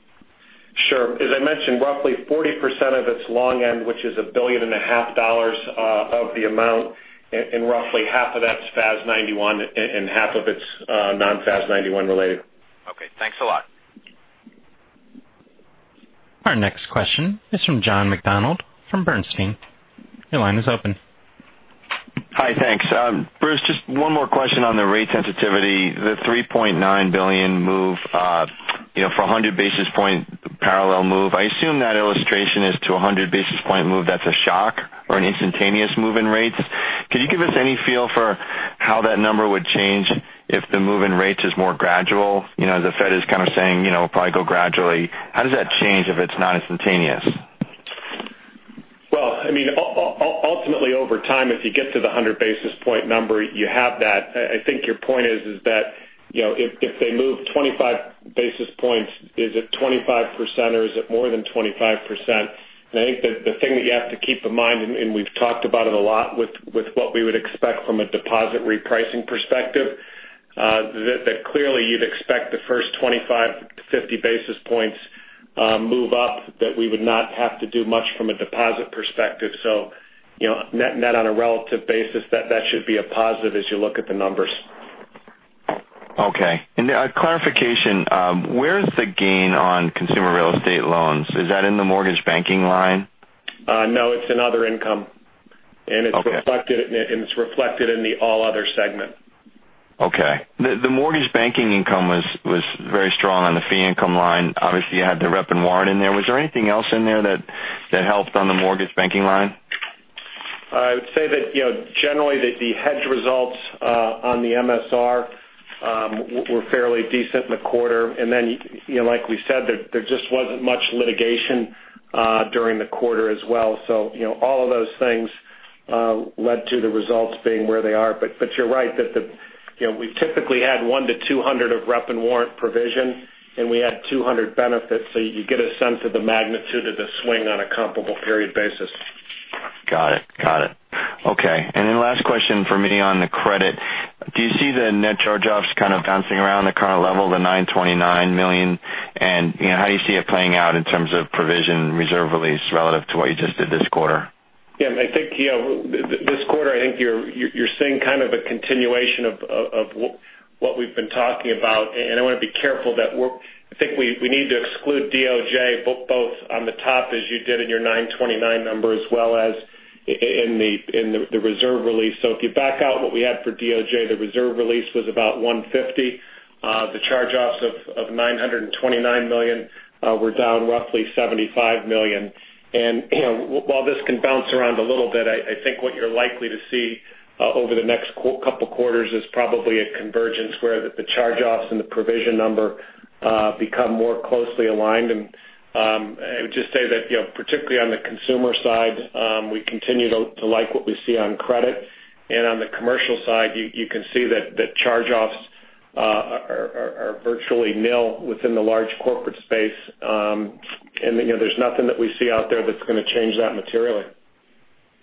Sure. As I mentioned, roughly 40% of it is long end, which is a billion and a half dollars of the amount, and roughly half of that's FAS 91, and half of it's non-FAS 91 related. Okay. Thanks a lot. Our next question is from John McDonald from Bernstein. Your line is open. Hi, thanks. Bruce, just one more question on the rate sensitivity. The $3.9 billion move for 100 basis point parallel move. I assume that illustration is to 100 basis point move that's a shock or an instantaneous move in rates. Could you give us any feel for how that number would change if the move in rates is more gradual? The Fed is kind of saying it'll probably go gradually. How does that change if it's not instantaneous? I mean, ultimately over time, if you get to the 100 basis point number, you have that. I think your point is that, if they move 25 basis points, is it 25% or is it more than 25%? I think that the thing that you have to keep in mind, and we've talked about it a lot with what we would expect from a deposit repricing perspective, that clearly you'd expect the first 25 to 50 basis points move up, that we would not have to do much from a deposit perspective. Net on a relative basis, that should be a positive as you look at the numbers. Okay. A clarification, where is the gain on consumer real estate loans? Is that in the mortgage banking line? No, it's in other income. Okay. It's reflected in the All Other Segment. Okay. The mortgage banking income was very strong on the fee income line. Obviously, you had the rep and warrant in there. Was there anything else in there that helped on the mortgage banking line? I would say that, generally, the hedge results on the MSR were fairly decent in the quarter. Then, like we said, there just wasn't much litigation during the quarter as well. All of those things led to the results being where they are. You're right that we typically add $1 to $200 of rep and warrant provision, and we add $200 benefits. You get a sense of the magnitude of the swing on a comparable period basis. Got it. Okay. Then last question from me on the credit. Do you see the net charge-offs kind of bouncing around the current level, the $929 million? How do you see it playing out in terms of provision reserve release relative to what you just did this quarter? Yeah, this quarter, I think you're seeing kind of a continuation of what we've been talking about. I want to be careful that I think we need to exclude DOJ, both on the top as you did in your 929 number, as well as in the reserve release. If you back out what we had for DOJ, the reserve release was about $150. The charge-offs of $929 million were down roughly $75 million. While this can bounce around a little bit, I think what you're likely to see over the next couple quarters is probably a convergence where the charge-offs and the provision number become more closely aligned. I would just say that, particularly on the consumer side, we continue to like what we see on credit. On the commercial side, you can see that charge-offs are virtually nil within the large corporate space. There's nothing that we see out there that's going to change that materially.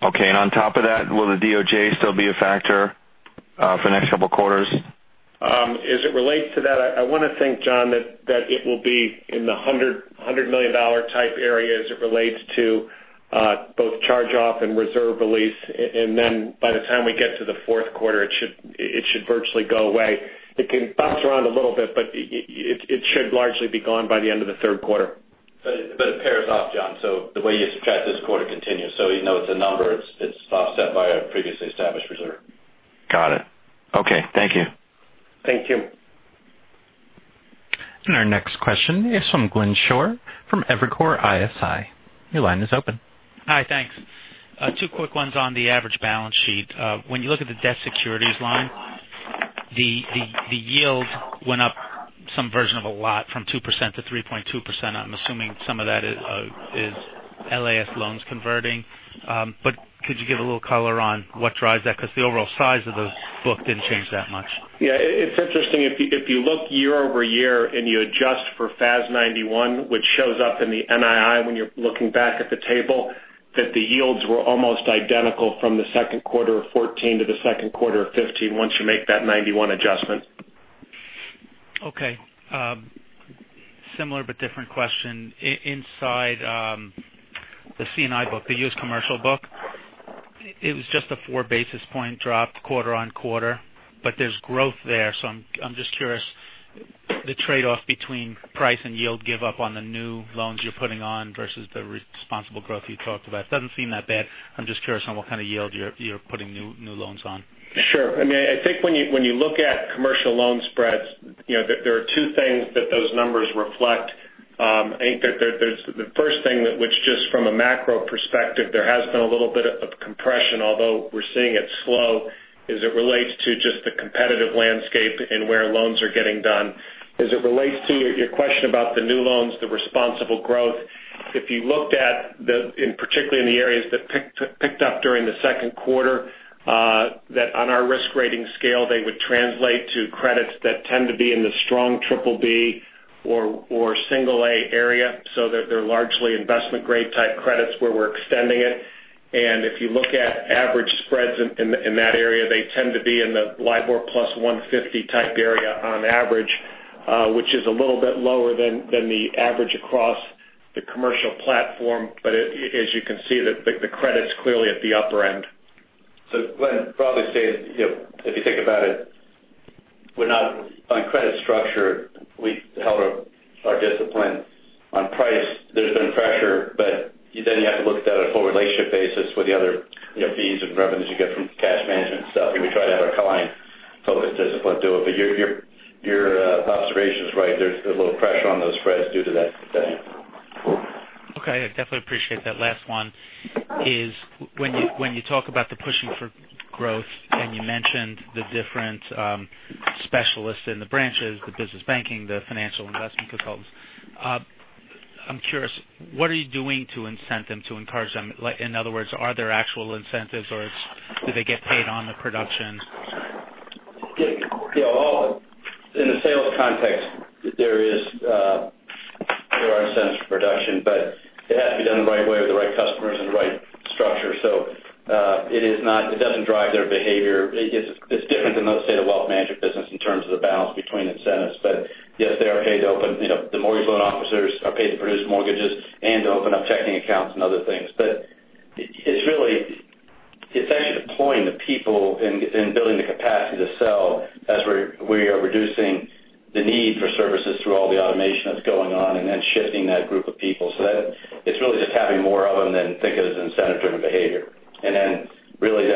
Okay. On top of that, will the DOJ still be a factor for the next couple quarters? As it relates to that, I want to think, John, that it will be in the $100 million type area as it relates to both charge-off and reserve release. By the time we get to the fourth quarter, it should virtually go away. It can bounce around a little bit, but it should largely be gone by the end of the third quarter. It pairs off, John. The way you subtract this quarter continues. Even though it's a number, it's offset by a previously established reserve. Got it. Okay. Thank you. Thank you. Our next question is from Glenn Schorr from Evercore ISI. Your line is open. Hi. Thanks. Two quick ones on the average balance sheet. When you look at the debt securities line, the yield went up some version of a lot from 2% to 3.2%. I'm assuming some of that is LAS loans converting. Could you give a little color on what drives that? The overall size of the book didn't change that much. Yeah, it's interesting. If you look year-over-year and you adjust for FAS 91, which shows up in the NII when you're looking back at the table, that the yields were almost identical from the second quarter of 2014 to the second quarter of 2015 once you make that 91 adjustment. Okay. Similar but different question. Inside the C&I book, the U.S. commercial book, it was just a four basis point drop quarter-on-quarter. There's growth there. I'm just curious, the trade-off between price and yield give up on the new loans you're putting on versus the responsible growth you talked about. It doesn't seem that bad. I'm just curious on what kind of yield you're putting new loans on. Sure. I think when you look at commercial loan spreads, there are two things that those numbers reflect. I think the first thing which just from a macro perspective, there has been a little bit of compression, although we're seeing it slow as it relates to just the competitive landscape and where loans are getting done. As it relates to your question about the new loans, the responsible growth, if you looked at, in particular in the areas that picked up during the second quarter, that on our risk rating scale, they would translate to credits that tend to be in the strong triple B or single A area. They're largely investment grade type credits where we're extending it. If you look at average spreads in that area, they tend to be in the LIBOR plus 150 type area on average, which is a little bit lower than the average across the commercial platform. As you can see, the credit's clearly at the upper end. Glenn, probably say, if you think about it, on credit structure, we held our discipline. On price, there's been pressure, you have to look at that on a whole relationship basis with the other fees and revenues you get from cash management and stuff. We try to have our client focus discipline do it. Your observation is right. There's a little pressure on those spreads due to that today. Okay. I definitely appreciate that. Last one is when you talk about the pushing for growth, you mentioned the different specialists in the branches, the business banking, the financial investment consultants I'm curious, what are you doing to incent them, to encourage them? In other words, are there actual incentives or do they get paid on the production? In the sales context, there are incentives for production, it has to be done the right way with the right customers and the right structure. It doesn't drive their behavior. It's different than, let's say, the wealth management business in terms of the balance between incentives. Yes, the mortgage loan officers are paid to produce mortgages and to open up checking accounts and other things. It's actually deploying the people and building the capacity to sell as we are reducing the need for services through all the automation that's going on, shifting that group of people. It's really just having more of them than think of it as incentive-driven behavior. Really,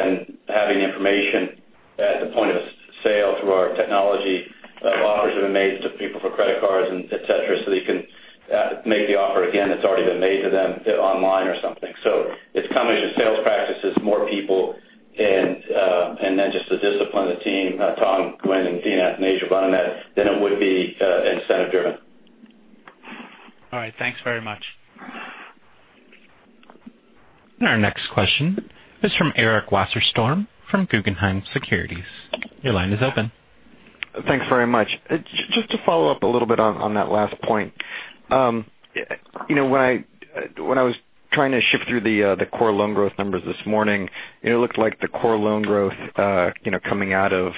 having information at the point of sale through our technology, offers have been made to people for credit cards and et cetera, so that you can make the offer again that's already been made to them online or something. It's coming to sales practices, more people, just the discipline of the team, Tom, Gwen, Dina, and Asia running that, than it would be incentive driven. All right. Thanks very much. Our next question is from Eric Wasserstrom of Guggenheim Securities. Your line is open. Thanks very much. Just to follow up a little bit on that last point. When I was trying to shift through the core loan growth numbers this morning, it looked like the core loan growth coming out of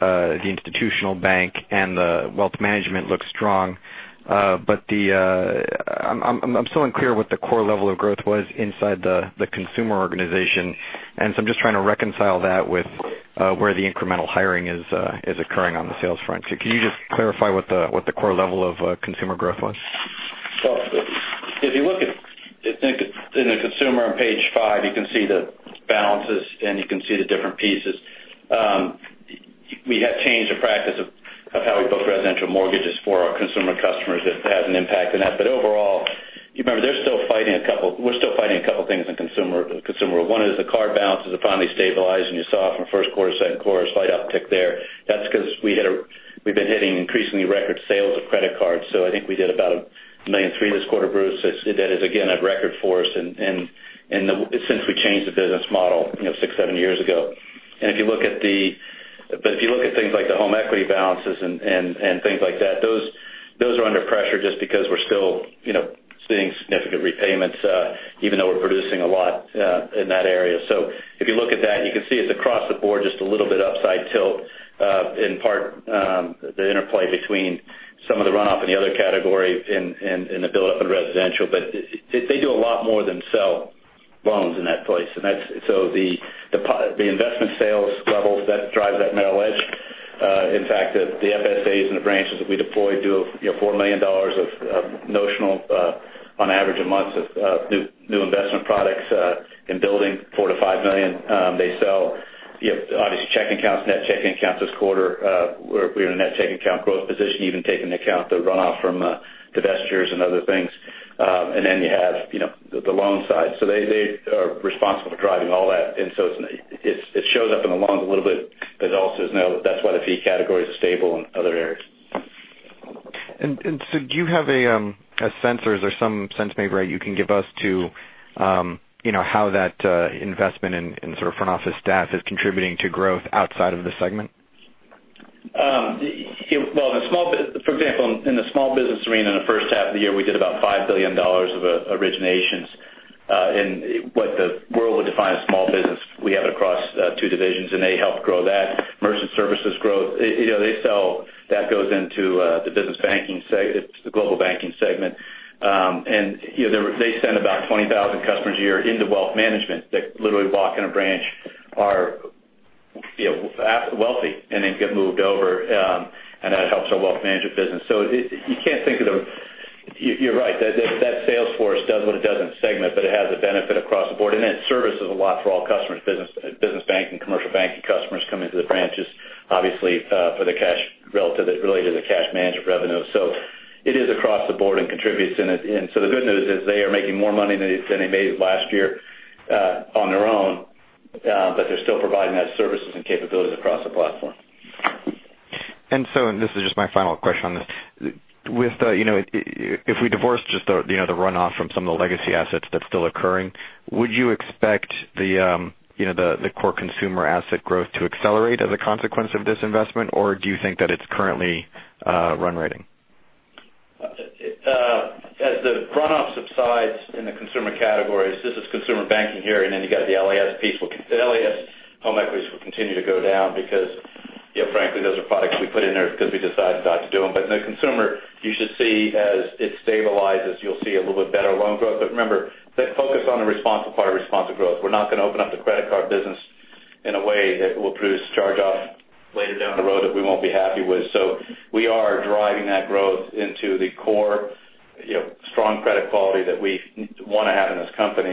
the institutional bank and the wealth management looks strong. I'm still unclear what the core level of growth was inside the consumer organization. I'm just trying to reconcile that with where the incremental hiring is occurring on the sales front. Can you just clarify what the core level of consumer growth was? If you look in the consumer on page five, you can see the balances and you can see the different pieces. We have changed the practice of how we book residential mortgages for our consumer customers. It has an impact on that. Overall, we're still fighting a couple things in consumer. One is the card balances are finally stabilizing. You saw it from first quarter, second quarter, slight uptick there. That's because we've been hitting increasingly record sales of credit cards. I think we did about 1.3 million this quarter, Bruce. That is again, a record for us since we changed the business model six, seven years ago. If you look at things like the home equity balances and things like that, those are under pressure just because we're still seeing significant repayments even though we're producing a lot in that area. If you look at that, you can see it is across the board, just a little bit upside tilt. In part, the interplay between some of the runoff in the other category and the buildup in residential. They do a lot more than sell loans in that place. The investment sales levels, that drives that narrow edge. In fact, the FSAs and the branches that we deployed do $4 million of notional on average a month of new investment products in building, $4 million-$5 million. They sell obviously checking accounts, net checking accounts this quarter. We are in a net checking account growth position, even taking into account the runoff from divestitures and other things. You have the loan side. They are responsible for driving all that. It shows up in the loans a little bit, but it also is now that is why the fee category is stable in other areas. Do you have a sense, or is there some sense maybe, Brian, you can give us to how that investment in front office staff is contributing to growth outside of the segment? For example, in the small business arena, in the first half of the year, we did about $5 billion of originations. In what the world would define as small business, we have it across two divisions, and they help grow that. Merchant services growth. That goes into the global banking segment. They send about 20,000 customers a year into wealth management that literally walk in a branch, are wealthy, and then get moved over, and that helps our wealth management business. You are right, that sales force does what it does in segment, but it has a benefit across the board. It services a lot for all customers, business banking, commercial banking customers coming to the branches, obviously, related to the cash management revenue. It is across the board and contributes. The good news is they are making more money than they made last year on their own, but they're still providing that services and capabilities across the platform. This is just my final question on this. If we divorce just the runoff from some of the legacy assets that's still occurring, would you expect the core consumer asset growth to accelerate as a consequence of this investment? Or do you think that it's currently run rating? As the runoff subsides in the Consumer Banking categories, this is Consumer Banking here, then you got the LAS piece. The LAS home equities will continue to go down because frankly, those are products we put in there because we decided not to do them. In the consumer, you should see as it stabilizes, you'll see a little bit better loan growth. But remember, the focus on the responsible part, responsible growth. We're not going to open up the credit card business in a way that will produce charge-off later down the road that we won't be happy with. We are driving that growth into the core strong credit quality that we want to have in this company.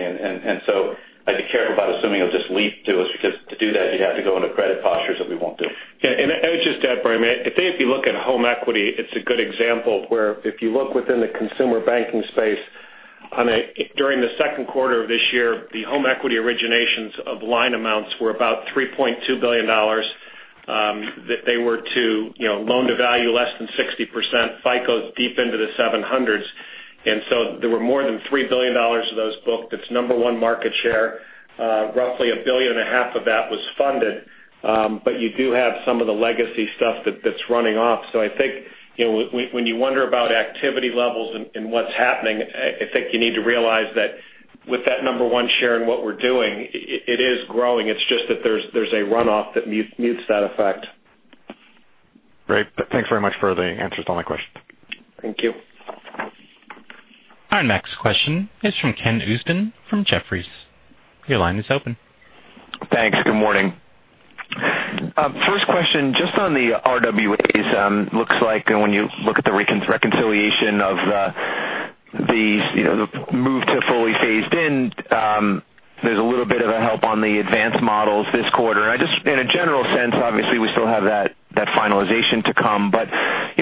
I'd be careful about assuming it'll just leap to us, because to do that, you'd have to go into credit postures that we won't do. Yeah. I would just add, Brian, I think if you look at home equity, it's a good example where if you look within the Consumer Banking space. During the second quarter of this year, the home equity originations of line amounts were about $3.2 billion. They were to loan-to-value less than 60%, FICO deep into the 700s. There were more than $3 billion of those booked. It's number 1 market share. Roughly a billion and a half of that was funded. But you do have some of the legacy stuff that's running off. I think when you wonder about activity levels and what's happening, I think you need to realize that with that number 1 share in what we're doing, it is growing. It's just that there's a runoff that mutes that effect. Great. Thanks very much for the answers to all my questions. Thank you. Our next question is from Ken Usdin from Jefferies. Your line is open. Thanks. Good morning. First question, just on the RWAs. Looks like when you look at the reconciliation of the move to fully phased in, there's a little bit of a help on the advanced models this quarter. In a general sense, obviously, we still have that finalization to come, but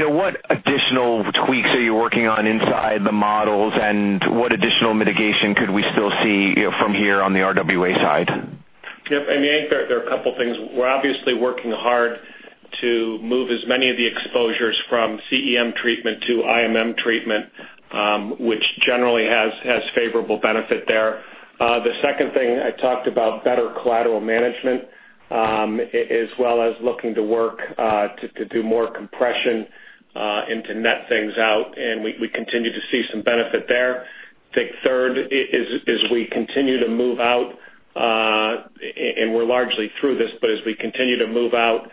what additional tweaks are you working on inside the models, and what additional mitigation could we still see from here on the RWA side? I think there are a couple things. We're obviously working hard to move as many of the exposures from CEM treatment to IMM treatment, which generally has favorable benefit there. The second thing I talked about better collateral management, as well as looking to work to do more compression and to net things out, and we continue to see some benefit there. I think third is we continue to move out, and we're largely through this, but as we continue to move out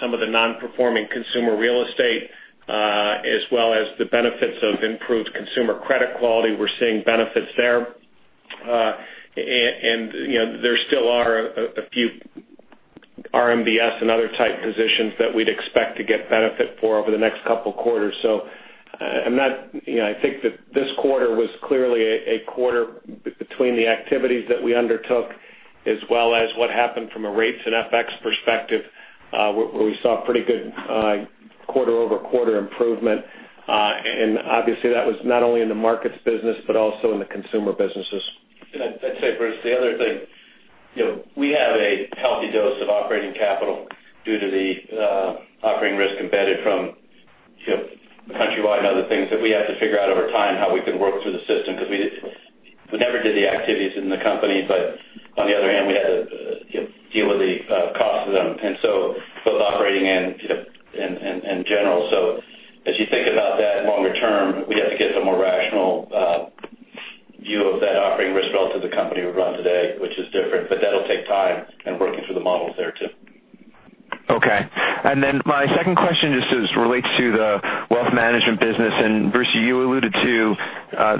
some of the non-performing consumer real estate, as well as the benefits of improved consumer credit quality, we're seeing benefits there. There still are a few RMBS and other type positions that we'd expect to get benefit for over the next couple quarters. I think that this quarter was clearly a quarter between the activities that we undertook as well as what happened from a rates and FX perspective, where we saw pretty good quarter-over-quarter improvement. Obviously that was not only in the markets business, but also in the consumer businesses. I'd say Bruce, the other thing, we have a healthy dose of operating capital due to the operating risk embedded from Countrywide and other things that we have to figure out over time how we can work through the system because we never did the activities in the company, but on the other hand, we had to deal with the cost of them. Both operating and general. As you think about that longer term, we have to get to a more rational view of that operating risk relative to the company we run today, which is different, but that'll take time and working through the models there too. Okay. My second question just relates to the wealth management business. Bruce, you alluded to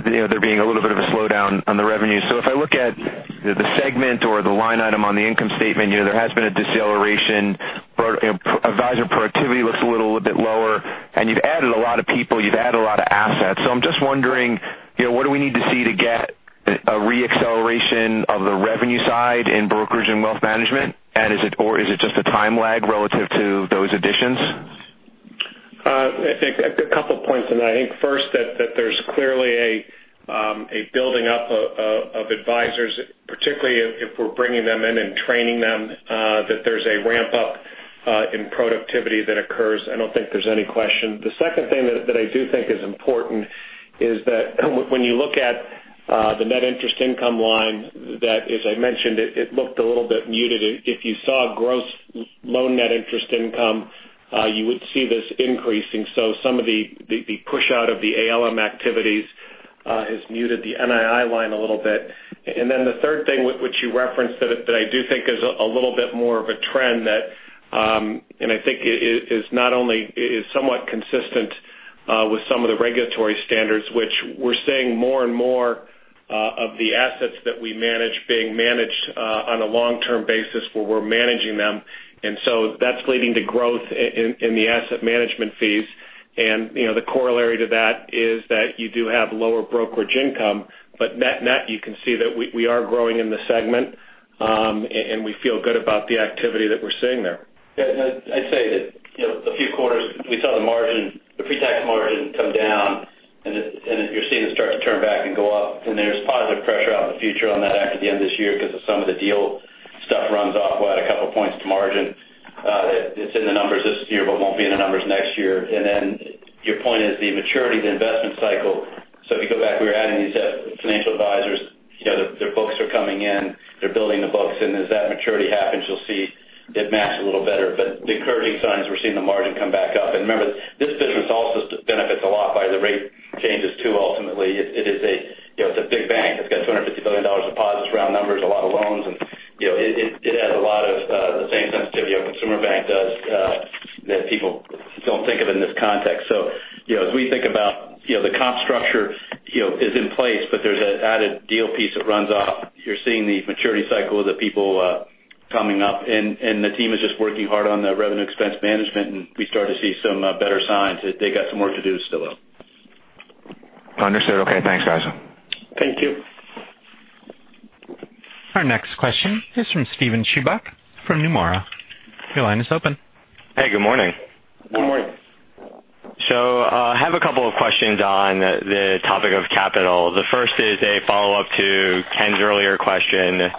there being a little bit of a slowdown on the revenue. If I look at the segment or the line item on the income statement, there has been a deceleration. Advisor productivity looks a little bit lower, and you've added a lot of people, you've added a lot of assets. I'm just wondering, what do we need to see to get a re-acceleration of the revenue side in brokerage and wealth management? Is it just a time lag relative to those additions? A couple points on that. I think first that there's clearly a building up of advisors, particularly if we're bringing them in and training them, that there's a ramp up in productivity that occurs. I don't think there's any question. The second thing that I do think is important is that when you look at the net interest income line, that as I mentioned, it looked a little bit muted. If you saw gross loan net interest income, you would see this increasing. Some of the push out of the ALM activities has muted the NII line a little bit. The third thing which you referenced that I do think is a little bit more of a trend that I think is somewhat consistent with some of the regulatory standards, which we're seeing more and more of the assets that we manage being managed on a long-term basis where we're managing them. That's leading to growth in the asset management fees. The corollary to that is that you do have lower brokerage income, but net-net, you can see that we are growing in the segment, and we feel good about the activity that we're seeing there. I'd say that a few quarters, we saw the pre-tax margin come down, and you're seeing it start to turn back and go up, and there's positive pressure out in the future on that after the end of this year because of some of the deal stuff runs off. We'll add a couple of points to margin. It's in the numbers this year, but won't be in the numbers next year. Your point is the maturity of the investment cycle. If you go back, we were adding these financial advisors. Their books are coming in, they're building the books, and as that maturity happens, you'll see it match a little better. The encouraging sign is we're seeing the margin come back up. Remember, this business also benefits a lot by the rate changes too, ultimately. It's a big bank. It's got $250 billion of deposits, round numbers, a lot of loans, and it has a lot of the same sensitivity a consumer bank does that people don't think of in this context. As we think about the cost structure is in place, but there's an added deal piece that runs off. You're seeing the maturity cycle of the people coming up, and the team is just working hard on the revenue expense management, and we start to see some better signs that they got some work to do still. Understood. Okay. Thanks, guys. Thank you. Our next question is from Steven Chubak from Nomura. Your line is open. Hey, good morning. Good morning. I have a couple of questions on the topic of capital. The first is a follow-up to Ken's earlier question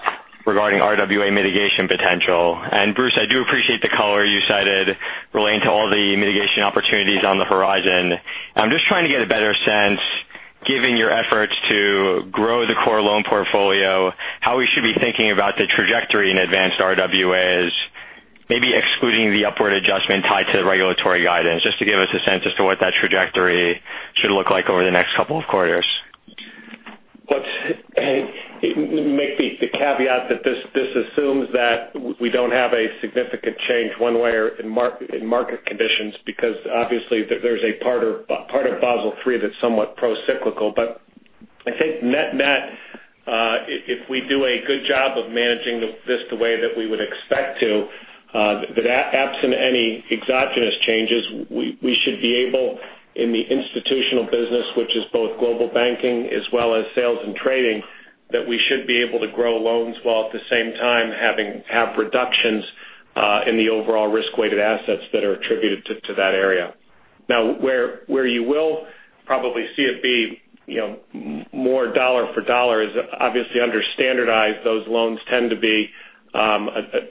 regarding RWA mitigation potential. Bruce, I do appreciate the color you cited relating to all the mitigation opportunities on the horizon. I'm just trying to get a better sense, given your efforts to grow the core loan portfolio, how we should be thinking about the trajectory in advanced RWAs, maybe excluding the upward adjustment tied to regulatory guidance, just to give us a sense as to what that trajectory should look like over the next couple of quarters. Let's make the caveat that this assumes that we don't have a significant change one way in market conditions because obviously there's a part of Basel III that's somewhat pro-cyclical. I think net-net, if we do a good job of managing this the way that we would expect to, that absent any exogenous changes, we should be able, in the institutional business, which is both global banking as well as sales and trading, that we should be able to grow loans while at the same time have reductions in the overall risk-weighted assets that are attributed to that area. Now, where you will probably see it be more dollar for dollar is obviously under standardized, those loans tend to be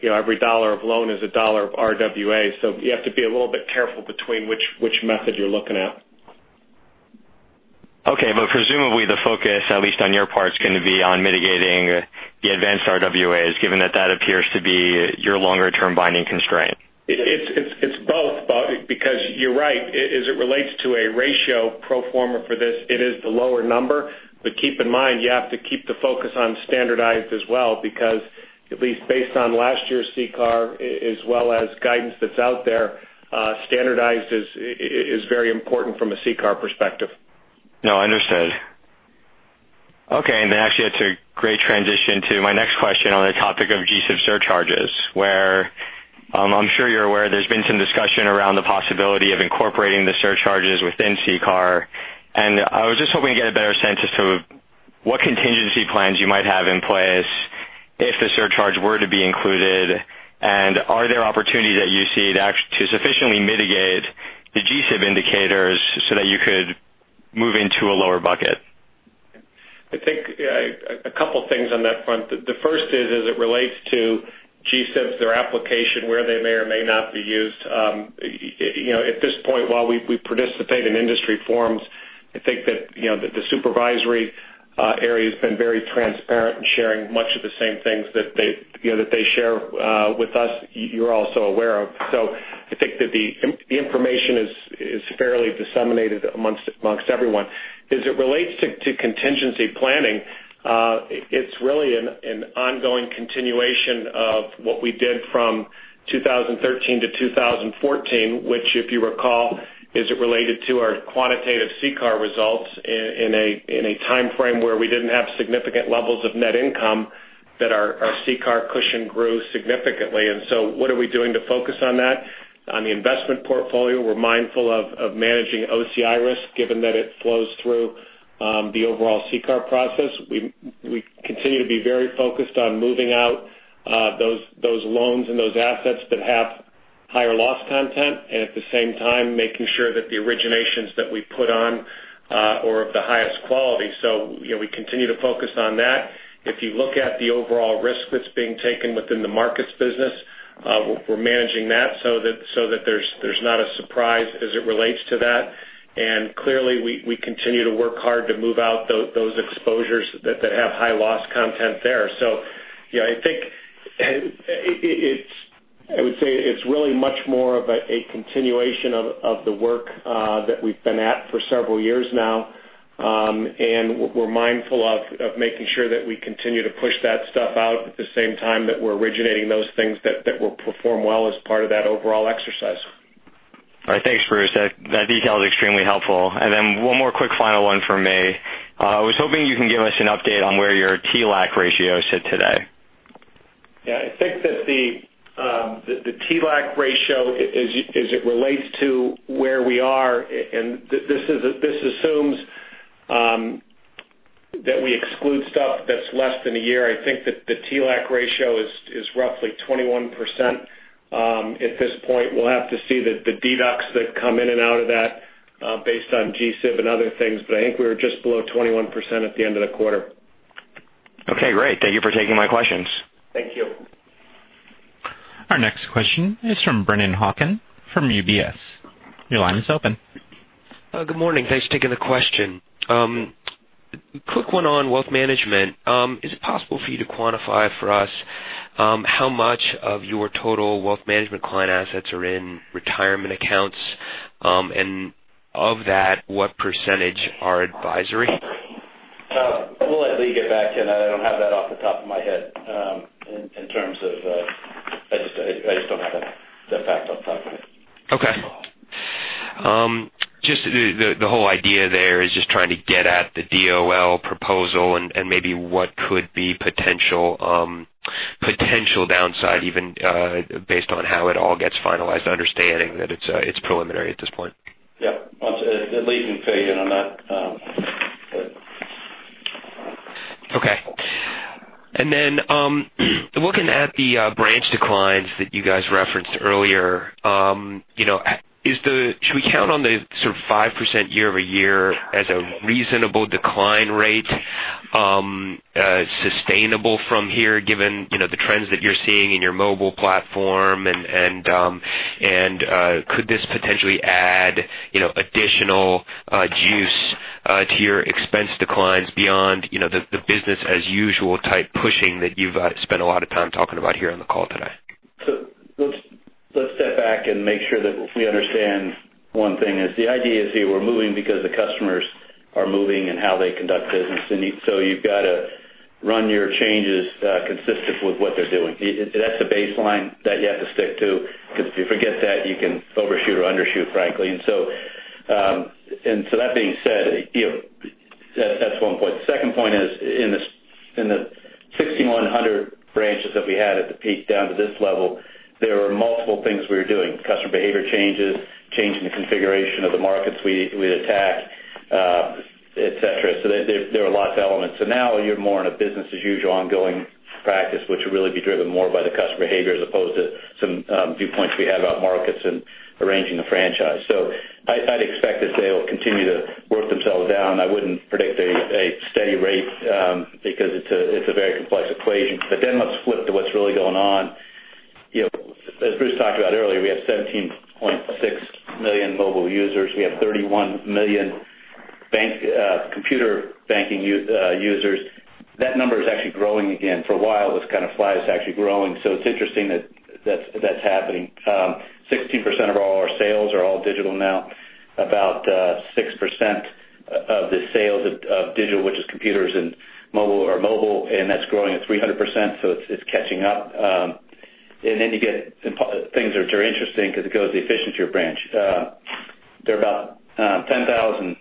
every dollar of loan is a dollar of RWA. You have to be a little bit careful between which method you're looking at. Okay. Presumably the focus, at least on your part, is going to be on mitigating the advanced RWAs, given that that appears to be your longer-term binding constraint. It's both because you're right. As it relates to a ratio pro forma for this, it is the lower number. Keep in mind, you have to keep the focus on standardized as well because at least based on last year's CCAR, as well as guidance that's out there, standardized is very important from a CCAR perspective. No, understood. Okay, that actually it's a great transition to my next question on the topic of GSIB surcharges, where I'm sure you're aware there's been some discussion around the possibility of incorporating the surcharges within CCAR. I was just hoping to get a better sense as to what contingency plans you might have in place if the surcharge were to be included, and are there opportunities that you see to sufficiently mitigate the GSIB indicators so that you could move into a lower bucket? I think a couple things on that front. The first is as it relates to G-SIBs, their application where they may or may not be used. At this point while we participate in industry forums, I think that the supervisory area has been very transparent in sharing much of the same things that they share with us, you're also aware of. I think that the information is fairly disseminated amongst everyone. As it relates to contingency planning, it's really an ongoing continuation of what we did from 2013 to 2014, which if you recall, is related to our quantitative CCAR results in a time frame where we didn't have significant levels of net income that our CCAR cushion grew significantly. What are we doing to focus on that? On the investment portfolio, we're mindful of managing OCI risk given that it flows through the overall CCAR process. We continue to be very focused on moving out those loans and those assets that have higher loss content, and at the same time making sure that the originations that we put on are of the highest quality. We continue to focus on that. If you look at the overall risk that's being taken within the markets business, we're managing that so that there's not a surprise as it relates to that. Clearly we continue to work hard to move out those exposures that have high loss content there. I would say it's really much more of a continuation of the work that we've been at for several years now. We're mindful of making sure that we continue to push that stuff out at the same time that we're originating those things that will perform well as part of that overall exercise. All right. Thanks, Bruce. That detail is extremely helpful. One more quick final one from me. I was hoping you can give us an update on where your TLAC ratio sit today. Yeah, I think that the TLAC ratio as it relates to where we are, and this assumes that we exclude stuff that's less than a year. I think that the TLAC ratio is roughly 21% at this point. We'll have to see the deducts that come in and out of that based on GSIB and other things. I think we were just below 21% at the end of the quarter. Okay, great. Thank you for taking my questions. Thank you. Our next question is from Brennan Hawken from UBS. Your line is open. Good morning. Thanks for taking the question. Quick one on wealth management. Is it possible for you to quantify for us how much of your total wealth management client assets are in retirement accounts? Of that, what percentage are advisory? We'll let Lee get back to you on that. I don't have that off the top of my head. I just don't have that fact off the top of my head. Okay. Just the whole idea there is just trying to get at the DOL proposal and maybe what could be potential downside even based on how it all gets finalized, understanding that it's preliminary at this point. Yeah. It leaves me for you on that. Okay. Looking at the branch declines that you guys referenced earlier, should we count on the 5% year-over-year as a reasonable decline rate, sustainable from here, given the trends that you're seeing in your mobile platform? Could this potentially add additional juice to your expense declines beyond the business as usual type pushing that you've spent a lot of time talking about here on the call today? Let's step back and make sure that we understand one thing, is the idea is that we're moving because the customers are moving in how they conduct business. You've got to run your changes consistent with what they're doing. That's the baseline that you have to stick to, because if you forget that, you can overshoot or undershoot, frankly. That being said, that's one point. The second point is in the 1,600 branches that we had at the peak down to this level, there were multiple things we were doing. Customer behavior changes, changing the configuration of the markets we attack, et cetera. There are lots of elements. Now you're more in a business as usual ongoing practice, which will really be driven more by the customer behavior as opposed to some viewpoints we have about markets and arranging the franchise. I'd expect that they will continue to work themselves down. I wouldn't predict a steady rate because it's a very complex equation. Let's flip to what's really going on. As Bruce talked about earlier, we have 17.6 million mobile users. We have 31 million computer banking users. That number is actually growing again. For a while, it was kind of flat. It's actually growing. It's interesting that that's happening. 16% of all our sales are all digital now. About 6% of the sales of digital, which is computers and mobile, are mobile, and that's growing at 300%, so it's catching up. You get things which are interesting because it goes to the efficiency of your branch. There are about 10,000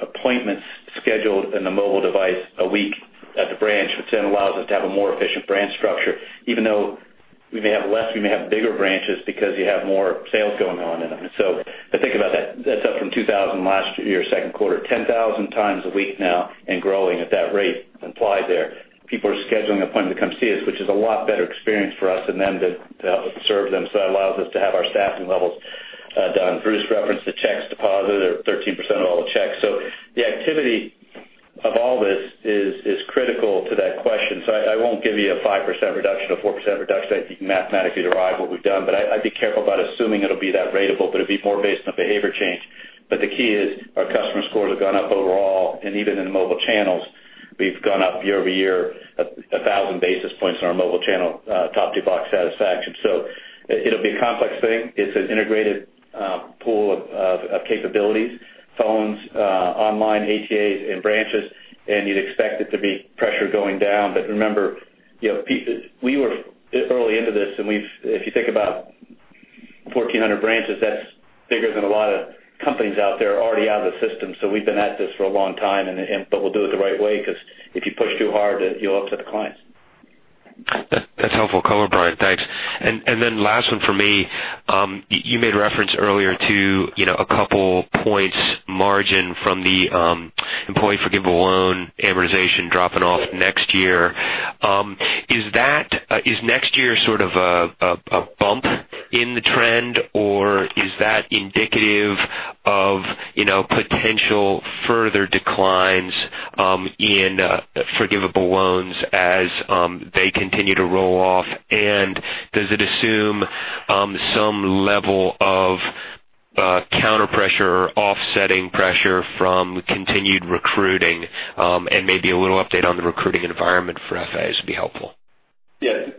appointments scheduled in the mobile device a week at the branch, which allows us to have a more efficient branch structure. Even though we may have less, we may have bigger branches because you have more sales going on in them. If you think about that's up from 2,000 last year, second quarter. 10,000 times a week now and growing at that rate implied there. People are scheduling appointments to come see us, which is a lot better experience for us and them to help us serve them. That allows us to have our staffing levels down. Bruce referenced the checks deposited are 13% of all the checks. The activity of all this is critical to that question. I won't give you a 5% reduction, a 4% reduction. I think you can mathematically derive what we've done, but I'd be careful about assuming it'll be that ratable, but it'd be more based on behavior change. The key is our customer scores have gone up overall, and even in the mobile channels, we've gone up year-over-year 1,000 basis points on our mobile channel top-to-box satisfaction. It'll be a complex thing. It's an integrated pool of capabilities, phones, online, ATMs, and branches, and you'd expect it to be pressure going down. Remember, we were early into this, and if you think about 1,400 branches, that's bigger than a lot of companies out there already out of the system. We've been at this for a long time, but we'll do it the right way because if you push too hard, you'll upset the clients. That's helpful color, Brian. Thanks. Last one for me. You made reference earlier to a couple points margin from the employee forgivable loan amortization dropping off next year. Is next year sort of a bump in the trend, or is that indicative of potential further declines in forgivable loans as they continue to roll off? Does it assume some level of counter pressure or offsetting pressure from continued recruiting? Maybe a little update on the recruiting environment for FAs would be helpful. Yes.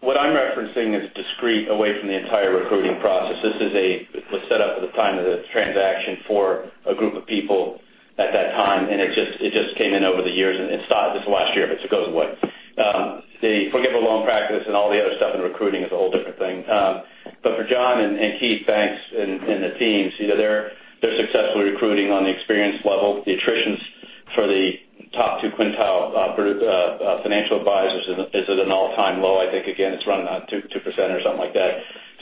What I'm referencing is discrete away from the entire recruiting process. This was set up at the time of the transaction for a group of people at that time, it just came in over the years, it stopped just last year, but it goes away. The forgivable loan practice and all the other stuff in recruiting is a whole different thing. For John and Keith Banks and the teams, they're successfully recruiting on the experience level. The attritions for the top 2 quintile financial advisors is at an all-time low. I think, again, it's around 2% or something like that.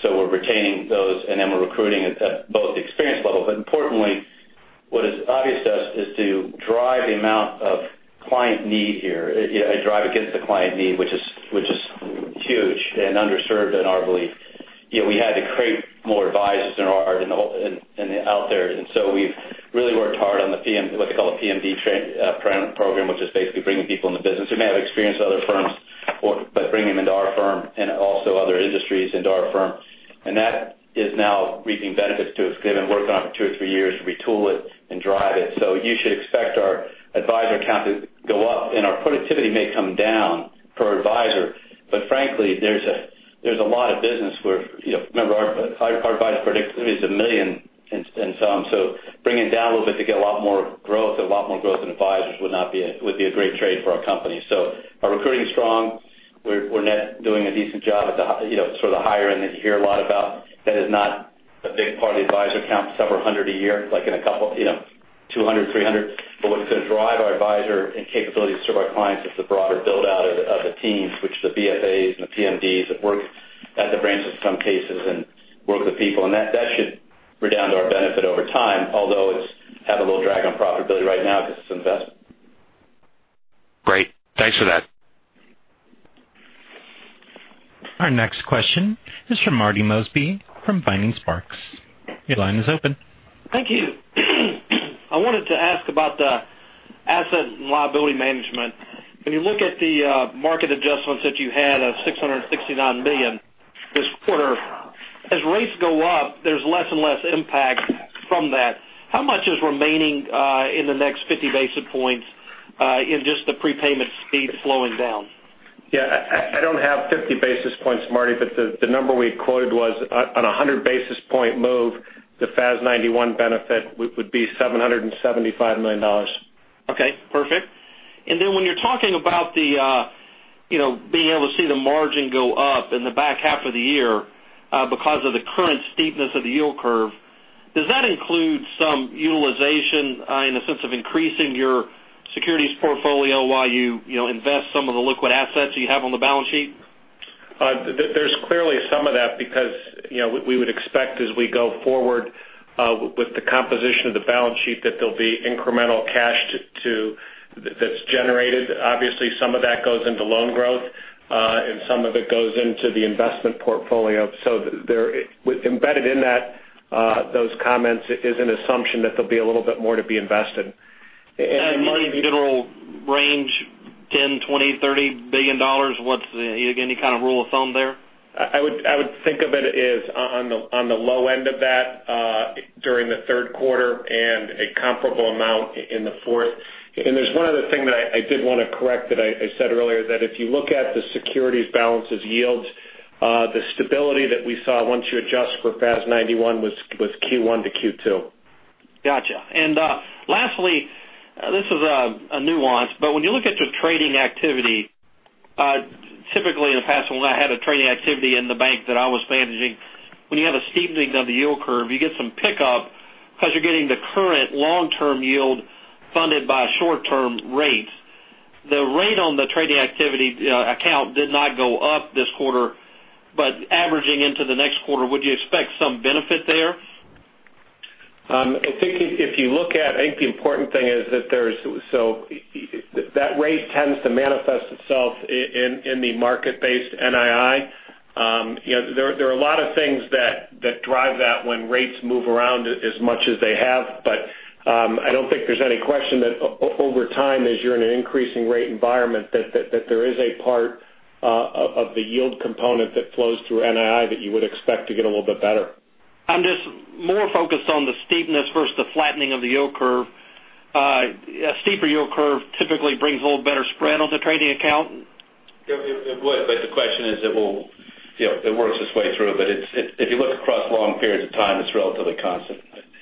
We're retaining those, we're recruiting at both experience levels. Importantly, what is obvious to us is to drive the amount of client need here, drive against the client need, which is huge and underserved in our belief. We had to create more advisors out there. We've really worked hard on what they call a PMD program, which is basically bringing people in the business who may have experience at other firms, but bring them into our firm and also other industries into our firm. That is now reaping benefits to us because they've been working on it for two or three years, retool it, and drive it. You should expect our advisor count to go up, and our productivity may come down per advisor. Frankly, there's a lot of business where, remember, our advisor productivity is $1 million and some. Bringing it down a little bit to get a lot more growth in advisors would be a great trade for our company. Our recruiting's strong. We're net doing a decent job at sort of the higher end that you hear a lot about. That is not a big part of the advisor count, several hundred a year. 200, 300. What's going to drive our advisor and capability to serve our clients is the broader build-out of the teams, which the BFAs and the PMDs that work at the branches in some cases and work with people. That should redound to our benefit over time. Although it's had a little drag on profitability right now because it's an investment. Great. Thanks for that. Our next question is from Marty Mosby from Vining Sparks. Your line is open. Thank you. I wanted to ask about the asset and liability management. When you look at the market adjustments that you had of $669 million this quarter, as rates go up, there's less and less impact from that. How much is remaining in the next 50 basis points in just the prepayment speed slowing down? Yeah, I don't have 50 basis points, Marty, but the number we had quoted was on a 100 basis point move, the FAS 91 benefit would be $775 million. Okay, perfect. Then when you're talking about being able to see the margin go up in the back half of the year because of the current steepness of the yield curve, does that include some utilization in the sense of increasing your securities portfolio while you invest some of the liquid assets you have on the balance sheet? There's clearly some of that because we would expect as we go forward with the composition of the balance sheet, that there'll be incremental cash that's generated. Obviously, some of that goes into loan growth, and some of it goes into the investment portfolio. Embedded in those comments is an assumption that there'll be a little bit more to be invested. Any general range, $10 billion, $20 billion, $30 billion? Any kind of rule of thumb there? I would think of it as on the low end of that during the third quarter and a comparable amount in the fourth. There's one other thing that I did want to correct that I said earlier, that if you look at the securities balances yields, the stability that we saw once you adjust for FAS 91 was Q1 to Q2. Got you. Lastly, this is a nuance, but when you look at your trading activity, typically in the past, when I had a trading activity in the bank that I was managing, when you have a steepening of the yield curve, you get some pickup because you're getting the current long-term yield funded by short-term rates. The rate on the trading activity account did not go up this quarter, but averaging into the next quarter, would you expect some benefit there? I think the important thing is that rate tends to manifest itself in the market-based NII. There are a lot of things that drive that when rates move around as much as they have. I don't think there's any question that over time, as you're in an increasing rate environment, that there is a part of the yield component that flows through NII that you would expect to get a little bit better. I'm just more focused on the steepness versus the flattening of the yield curve. A steeper yield curve typically brings a little better spread on the trading account. It would, the question is it works its way through. If you look across long periods of time, it's relatively constant.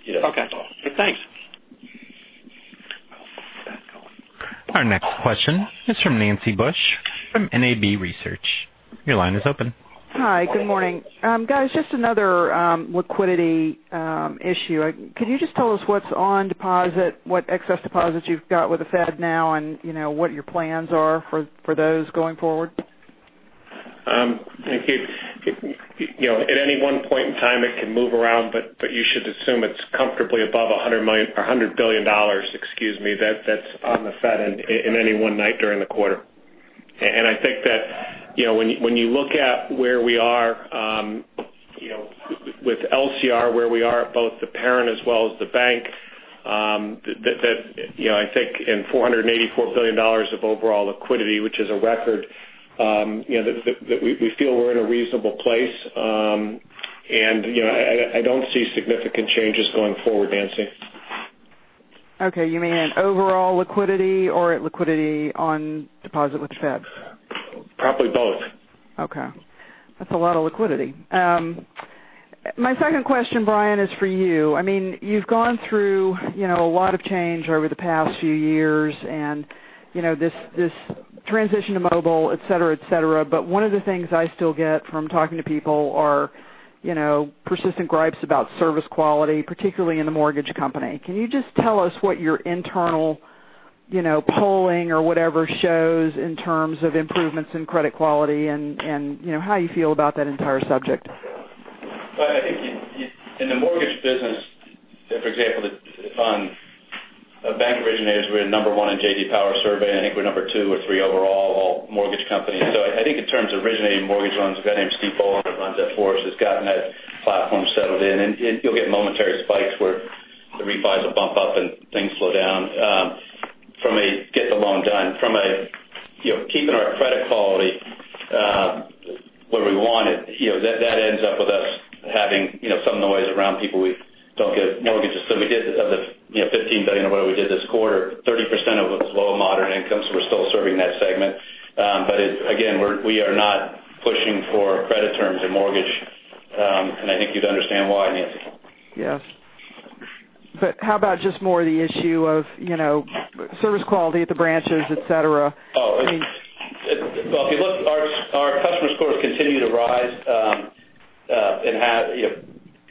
Okay. Thanks. Our next question is from Nancy Bush from NAB Research. Your line is open. Hi. Good morning. Guys, just another liquidity issue. Could you just tell us what's on deposit, what excess deposits you've got with the Fed now, and what your plans are for those going forward? At any one point in time, it can move around, but you should assume it's comfortably above $100 billion that's on the Fed end in any one night during the quarter. I think that when you look at where we are with LCR, where we are at both the parent as well as the bank, I think in $484 billion of overall liquidity, which is a record that we feel we're in a reasonable place. I don't see significant changes going forward, Nancy. Okay. You mean in overall liquidity or liquidity on deposit with the Fed? Probably both. Okay. That's a lot of liquidity. My second question, Brian, is for you. You've gone through a lot of change over the past few years and this transition to mobile, et cetera. One of the things I still get from talking to people are persistent gripes about service quality, particularly in the mortgage company. Can you just tell us what your internal polling or whatever shows in terms of improvements in credit quality and how you feel about that entire subject? I think in the mortgage business, for example, if on bank originators, we're number one in J.D. Power survey, and I think we're number two or three overall mortgage companies. I think in terms of originating mortgage loans, a guy named Steve Boland who runs that for us has gotten that platform settled in, and you'll get momentary spikes where the refis will bump up and things slow down from a get the loan done. From keeping our credit quality where we want it, that ends up with us having some noise around people we don't get mortgages. We did of the $15 billion or whatever we did this quarter, 30% of it was low to moderate income, we're still serving that segment. Again, we are not pushing for credit terms in mortgage, and I think you'd understand why, Nancy. Yes. How about just more the issue of service quality at the branches, et cetera? Well, if you look, our customer scores continue to rise.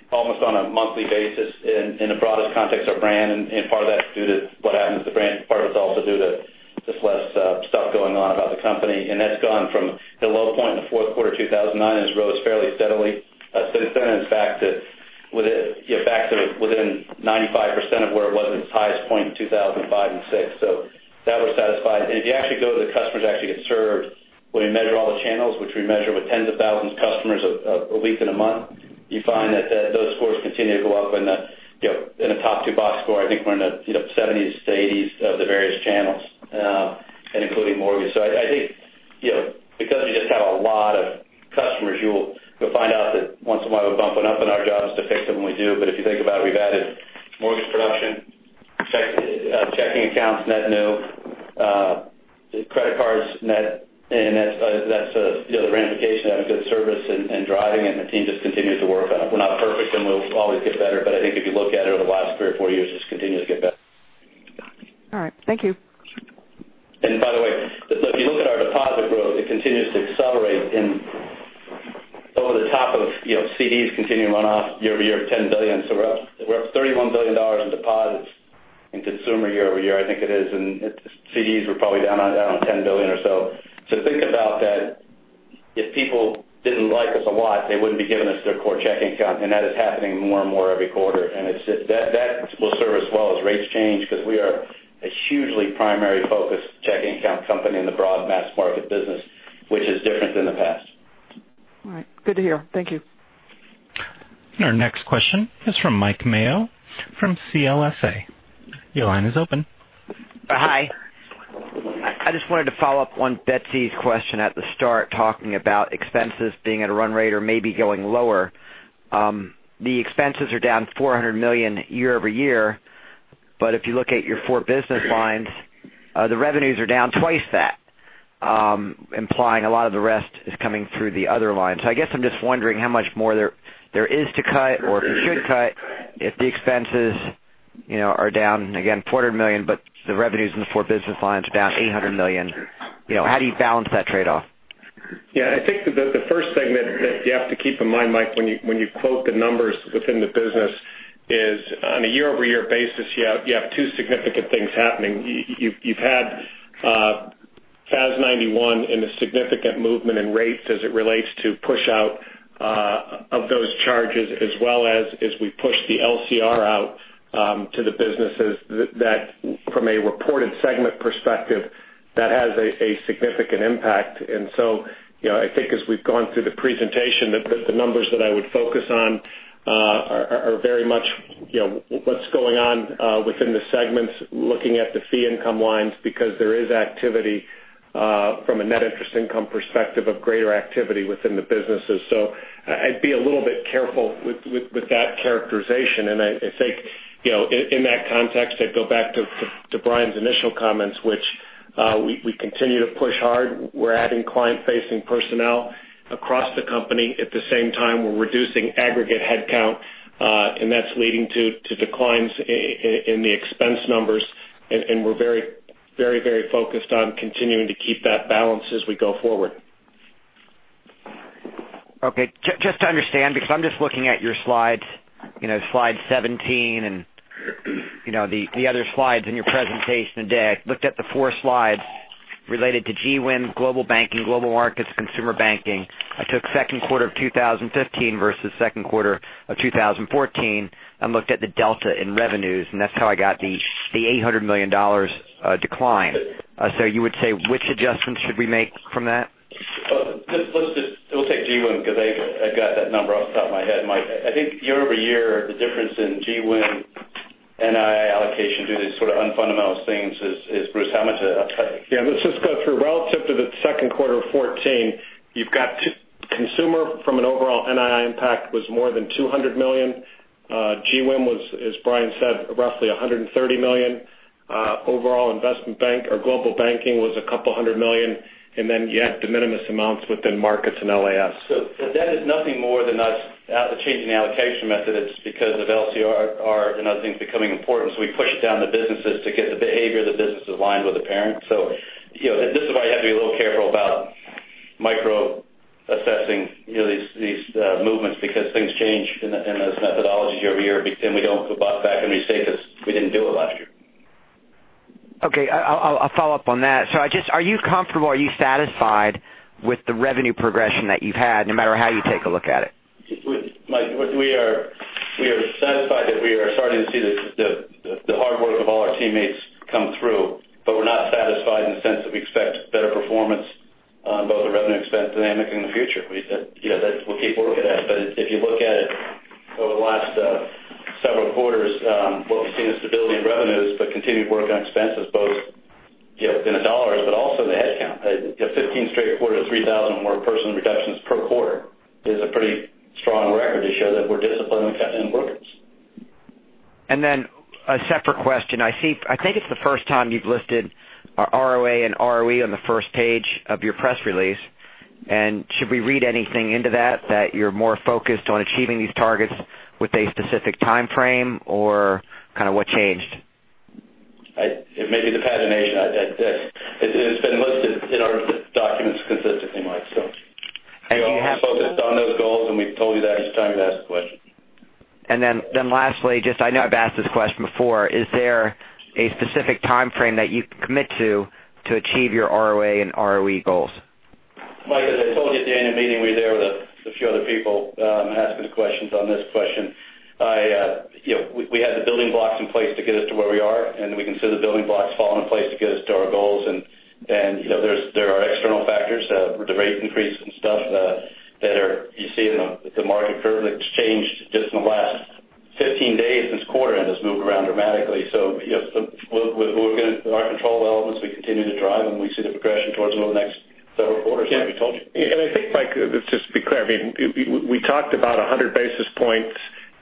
Almost on a monthly basis in the broadest context of brand. Part of that's due to what happens to brand, part of it's also due to just less stuff going on about the company. That's gone from the low point in the fourth quarter 2009, and it's rose fairly steadily since then. In fact, within 95% of where it was at its highest point in 2005 and 2006. That we're satisfied. If you actually go to the customers actually get served, when we measure all the channels, which we measure with tens of thousands of customers a week and a month, you find that those scores continue to go up in the top 2 box score. I think we're in the 70s to 80s of the various channels, including mortgage. I think because you just have a lot of customers, you'll find out that once in a while we bump it up and our job is to fix them, and we do. If you think about it, we've added mortgage production, checking accounts net new, credit cards net. That's the ramification of having good service and driving it, and the team just continues to work on it. We're not perfect and we'll always get better. I think if you look at it over the last three or four years, just continue to get better. All right. Thank you. By the way, if you look at our deposit growth, it continues to accelerate over the top of CDs continuing to run off year-over-year of $10 billion. We're up $31 billion in deposits in consumer year-over-year, I think it is. CDs were probably down $10 billion or so. Think about that. If people didn't like us a lot, they wouldn't be giving us their core checking account. That is happening more and more every quarter. That will serve us well as rates change because we are a hugely primary focus checking account company in the broad mass market business, which is different than the past. All right. Good to hear. Thank you. Our next question is from Mike Mayo from CLSA. Your line is open. Hi. I just wanted to follow up on Betsy's question at the start, talking about expenses being at a run rate or maybe going lower. The expenses are down $400 million year-over-year. If you look at your four business lines, the revenues are down twice that, implying a lot of the rest is coming through the other lines. I guess I'm just wondering how much more there is to cut or if you should cut if the expenses are down again, $400 million, but the revenues in the four business lines are down $800 million. How do you balance that trade-off? I think the first thing that you have to keep in mind, Mike, when you quote the numbers within the business is on a year-over-year basis, you have two significant things happening. You've had FAS 91 and a significant movement in rates as it relates to push out of those charges as well as we push the LCR out to the businesses that from a reported segment perspective, that has a significant impact. I think as we've gone through the presentation, the numbers that I would focus on are very much what's going on within the segments, looking at the fee income lines because there is activity from a net interest income perspective of greater activity within the businesses. I'd be a little bit careful with that characterization. I think in that context, I'd go back to Brian's initial comments, which we continue to push hard. We're adding client-facing personnel across the company. At the same time, we're reducing aggregate headcount, and that's leading to declines in the expense numbers. We're very, very focused on continuing to keep that balance as we go forward. Okay. Just to understand because I'm just looking at your slides, slide 17 and the other slides in your presentation today. I looked at the four slides related to GWIM, Global Banking, Global Markets, Consumer Banking. I took second quarter of 2015 versus second quarter of 2014 and looked at the delta in revenues, and that's how I got the $800 million decline. You would say which adjustments should we make from that? We'll take GWIM because I've got that number off the top of my head, Mike. I think year-over-year, the difference in GWIM NII allocation due to these sort of unfundamental things is, Bruce, how much is that? Let's just go through relative to the second quarter of 2014, you've got Consumer from an overall NII impact was more than $200 million. GWIM was, as Brian said, roughly $130 million. Overall investment bank or Global Banking was a couple of hundred million, and then you have de minimis amounts within Markets and LAS. That is nothing more than us changing the allocation method. It's because of LCR and other things becoming important. We pushed down the businesses to get the behavior of the businesses aligned with the parent. This is why you have to be a little careful about micro assessing these movements because things change in those methodologies year-over-year. We don't go bust back and we say because we didn't do it last year. Okay. I'll follow up on that. Are you comfortable, are you satisfied with the revenue progression that you've had no matter how you take a look at it? Mike, we are satisfied that we are starting to see the hard work of all our teammates come through. We're not satisfied in the sense that we expect better performance on both the revenue expense dynamic in the future. We'll keep working at it. If you look at it over the last several quarters, what we've seen is stability in revenues but continued work on expenses both in the dollars but also the headcount. 15 straight quarters, 3,000 more person reductions per quarter is a pretty strong record to show that we're disciplined on cutting inputs. A separate question. I think it's the first time you've listed ROA and ROE on the first page of your press release. Should we read anything into that you're more focused on achieving these targets with a specific time frame or kind of what changed? It may be the pagination. It's been listed in our documents consistently, Mike. Do you have- We're focused on those goals, and we've told you that each time you've asked the question. Lastly, I know I've asked this question before, is there a specific timeframe that you can commit to to achieve your ROA and ROE goals? Mike, as I told you at the annual meeting, we were there with a few other people asking us questions on this question. We had the building blocks in place to get us to where we are, and we can see the building blocks falling in place to get us to our goals. There are external factors, the rate increases and stuff, that you see in the market curve that's changed just in the last 15 days since quarter end, has moved around dramatically. We're going to our control elements. We continue to drive them. We see the progression towards the next several quarters like we told you. I think, Mike, let's just be clear. We talked about 100 basis points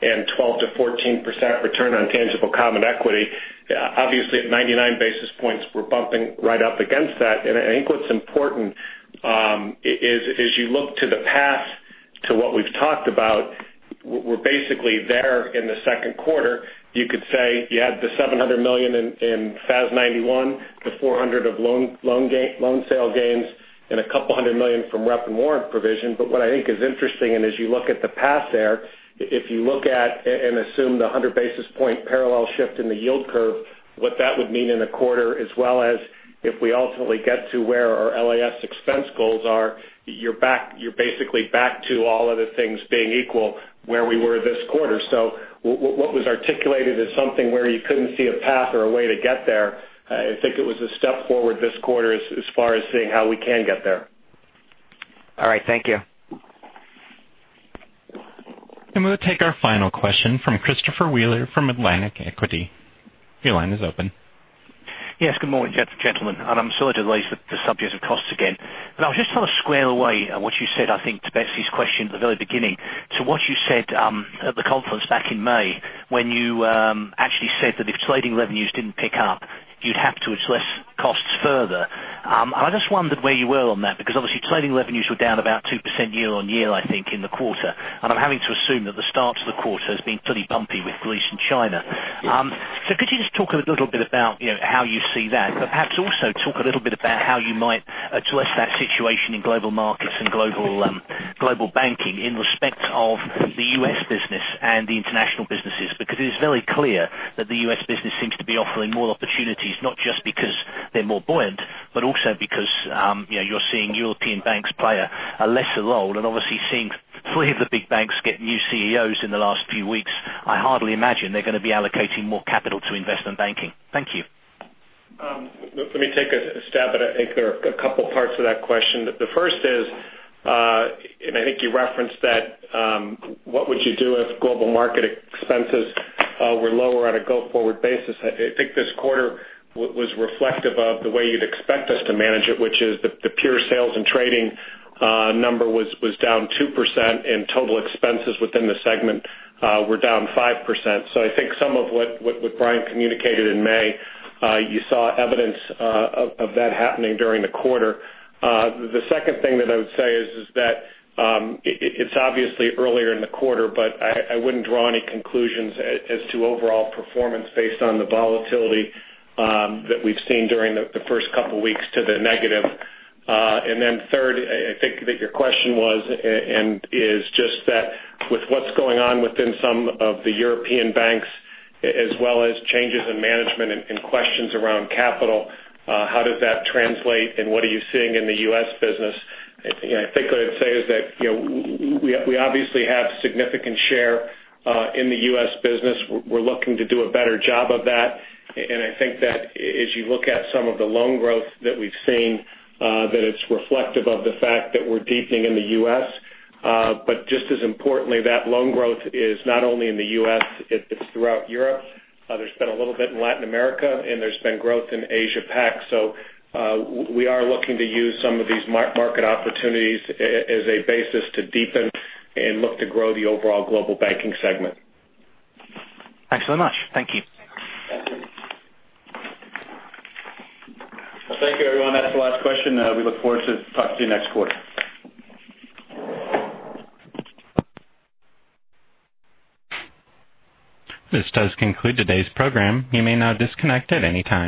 and 12%-14% return on tangible common equity. Obviously, at 99 basis points, we're bumping right up against that. I think what's important is, as you look to the past to what we've talked about, we're basically there in the second quarter. You could say you had the $700 million in FAS 91, the $400 million of loan sale gains, and a $200 million from rep and warrant provision. What I think is interesting, and as you look at the past there, if you look at and assume the 100 basis point parallel shift in the yield curve, what that would mean in a quarter, as well as if we ultimately get to where our LAS expense goals are, you're basically back to all other things being equal where we were this quarter. What was articulated as something where you couldn't see a path or a way to get there, I think it was a step forward this quarter as far as seeing how we can get there. All right. Thank you. We'll take our final question from Christopher Wheeler from Atlantic Equities. Your line is open. Yes. Good morning, gentlemen. I'm sorry to raise the subject of costs again. I was just trying to square away what you said, I think, to Betsy's question at the very beginning to what you said at the conference back in May, when you actually said that if trading revenues didn't pick up, you'd have to address costs further. I just wondered where you were on that, because obviously trading revenues were down about 2% year-on-year, I think, in the quarter. I'm having to assume that the start to the quarter has been pretty bumpy with Greece and China. Could you just talk a little bit about how you see that, but perhaps also talk a little bit about how you might address that situation in global markets and global banking in respect of the U.S. business and the international businesses? It is very clear that the U.S. business seems to be offering more opportunities, not just because they're more buoyant, but also because you're seeing European banks play a lesser role. Obviously, seeing three of the big banks get new CEOs in the last few weeks, I hardly imagine they're going to be allocating more capital to investment banking. Thank you. Let me take a stab at it. I think there are a couple parts of that question. The first is, and I think you referenced that, what would you do if global market expenses were lower on a go-forward basis? I think this quarter was reflective of the way you'd expect us to manage it, which is the pure sales and trading number was down 2%, and total expenses within the segment were down 5%. I think some of what Brian communicated in May, you saw evidence of that happening during the quarter. The second thing that I would say is that it's obviously earlier in the quarter, but I wouldn't draw any conclusions as to overall performance based on the volatility that we've seen during the first couple of weeks to the negative. Third, I think that your question was and is just that with what's going on within some of the European banks, as well as changes in management and questions around capital, how does that translate and what are you seeing in the U.S. business? I think what I'd say is that we obviously have significant share in the U.S. business. We're looking to do a better job of that. I think that as you look at some of the loan growth that we've seen, that it's reflective of the fact that we're deepening in the U.S. Just as importantly, that loan growth is not only in the U.S., it's throughout Europe. There's been a little bit in Latin America, and there's been growth in Asia Pac. We are looking to use some of these market opportunities as a basis to deepen and look to grow the overall Global Banking Segment. Thanks so much. Thank you. Thank you. Well, thank you, everyone. That is the last question. We look forward to talking to you next quarter. This does conclude today's program. You may now disconnect at any time.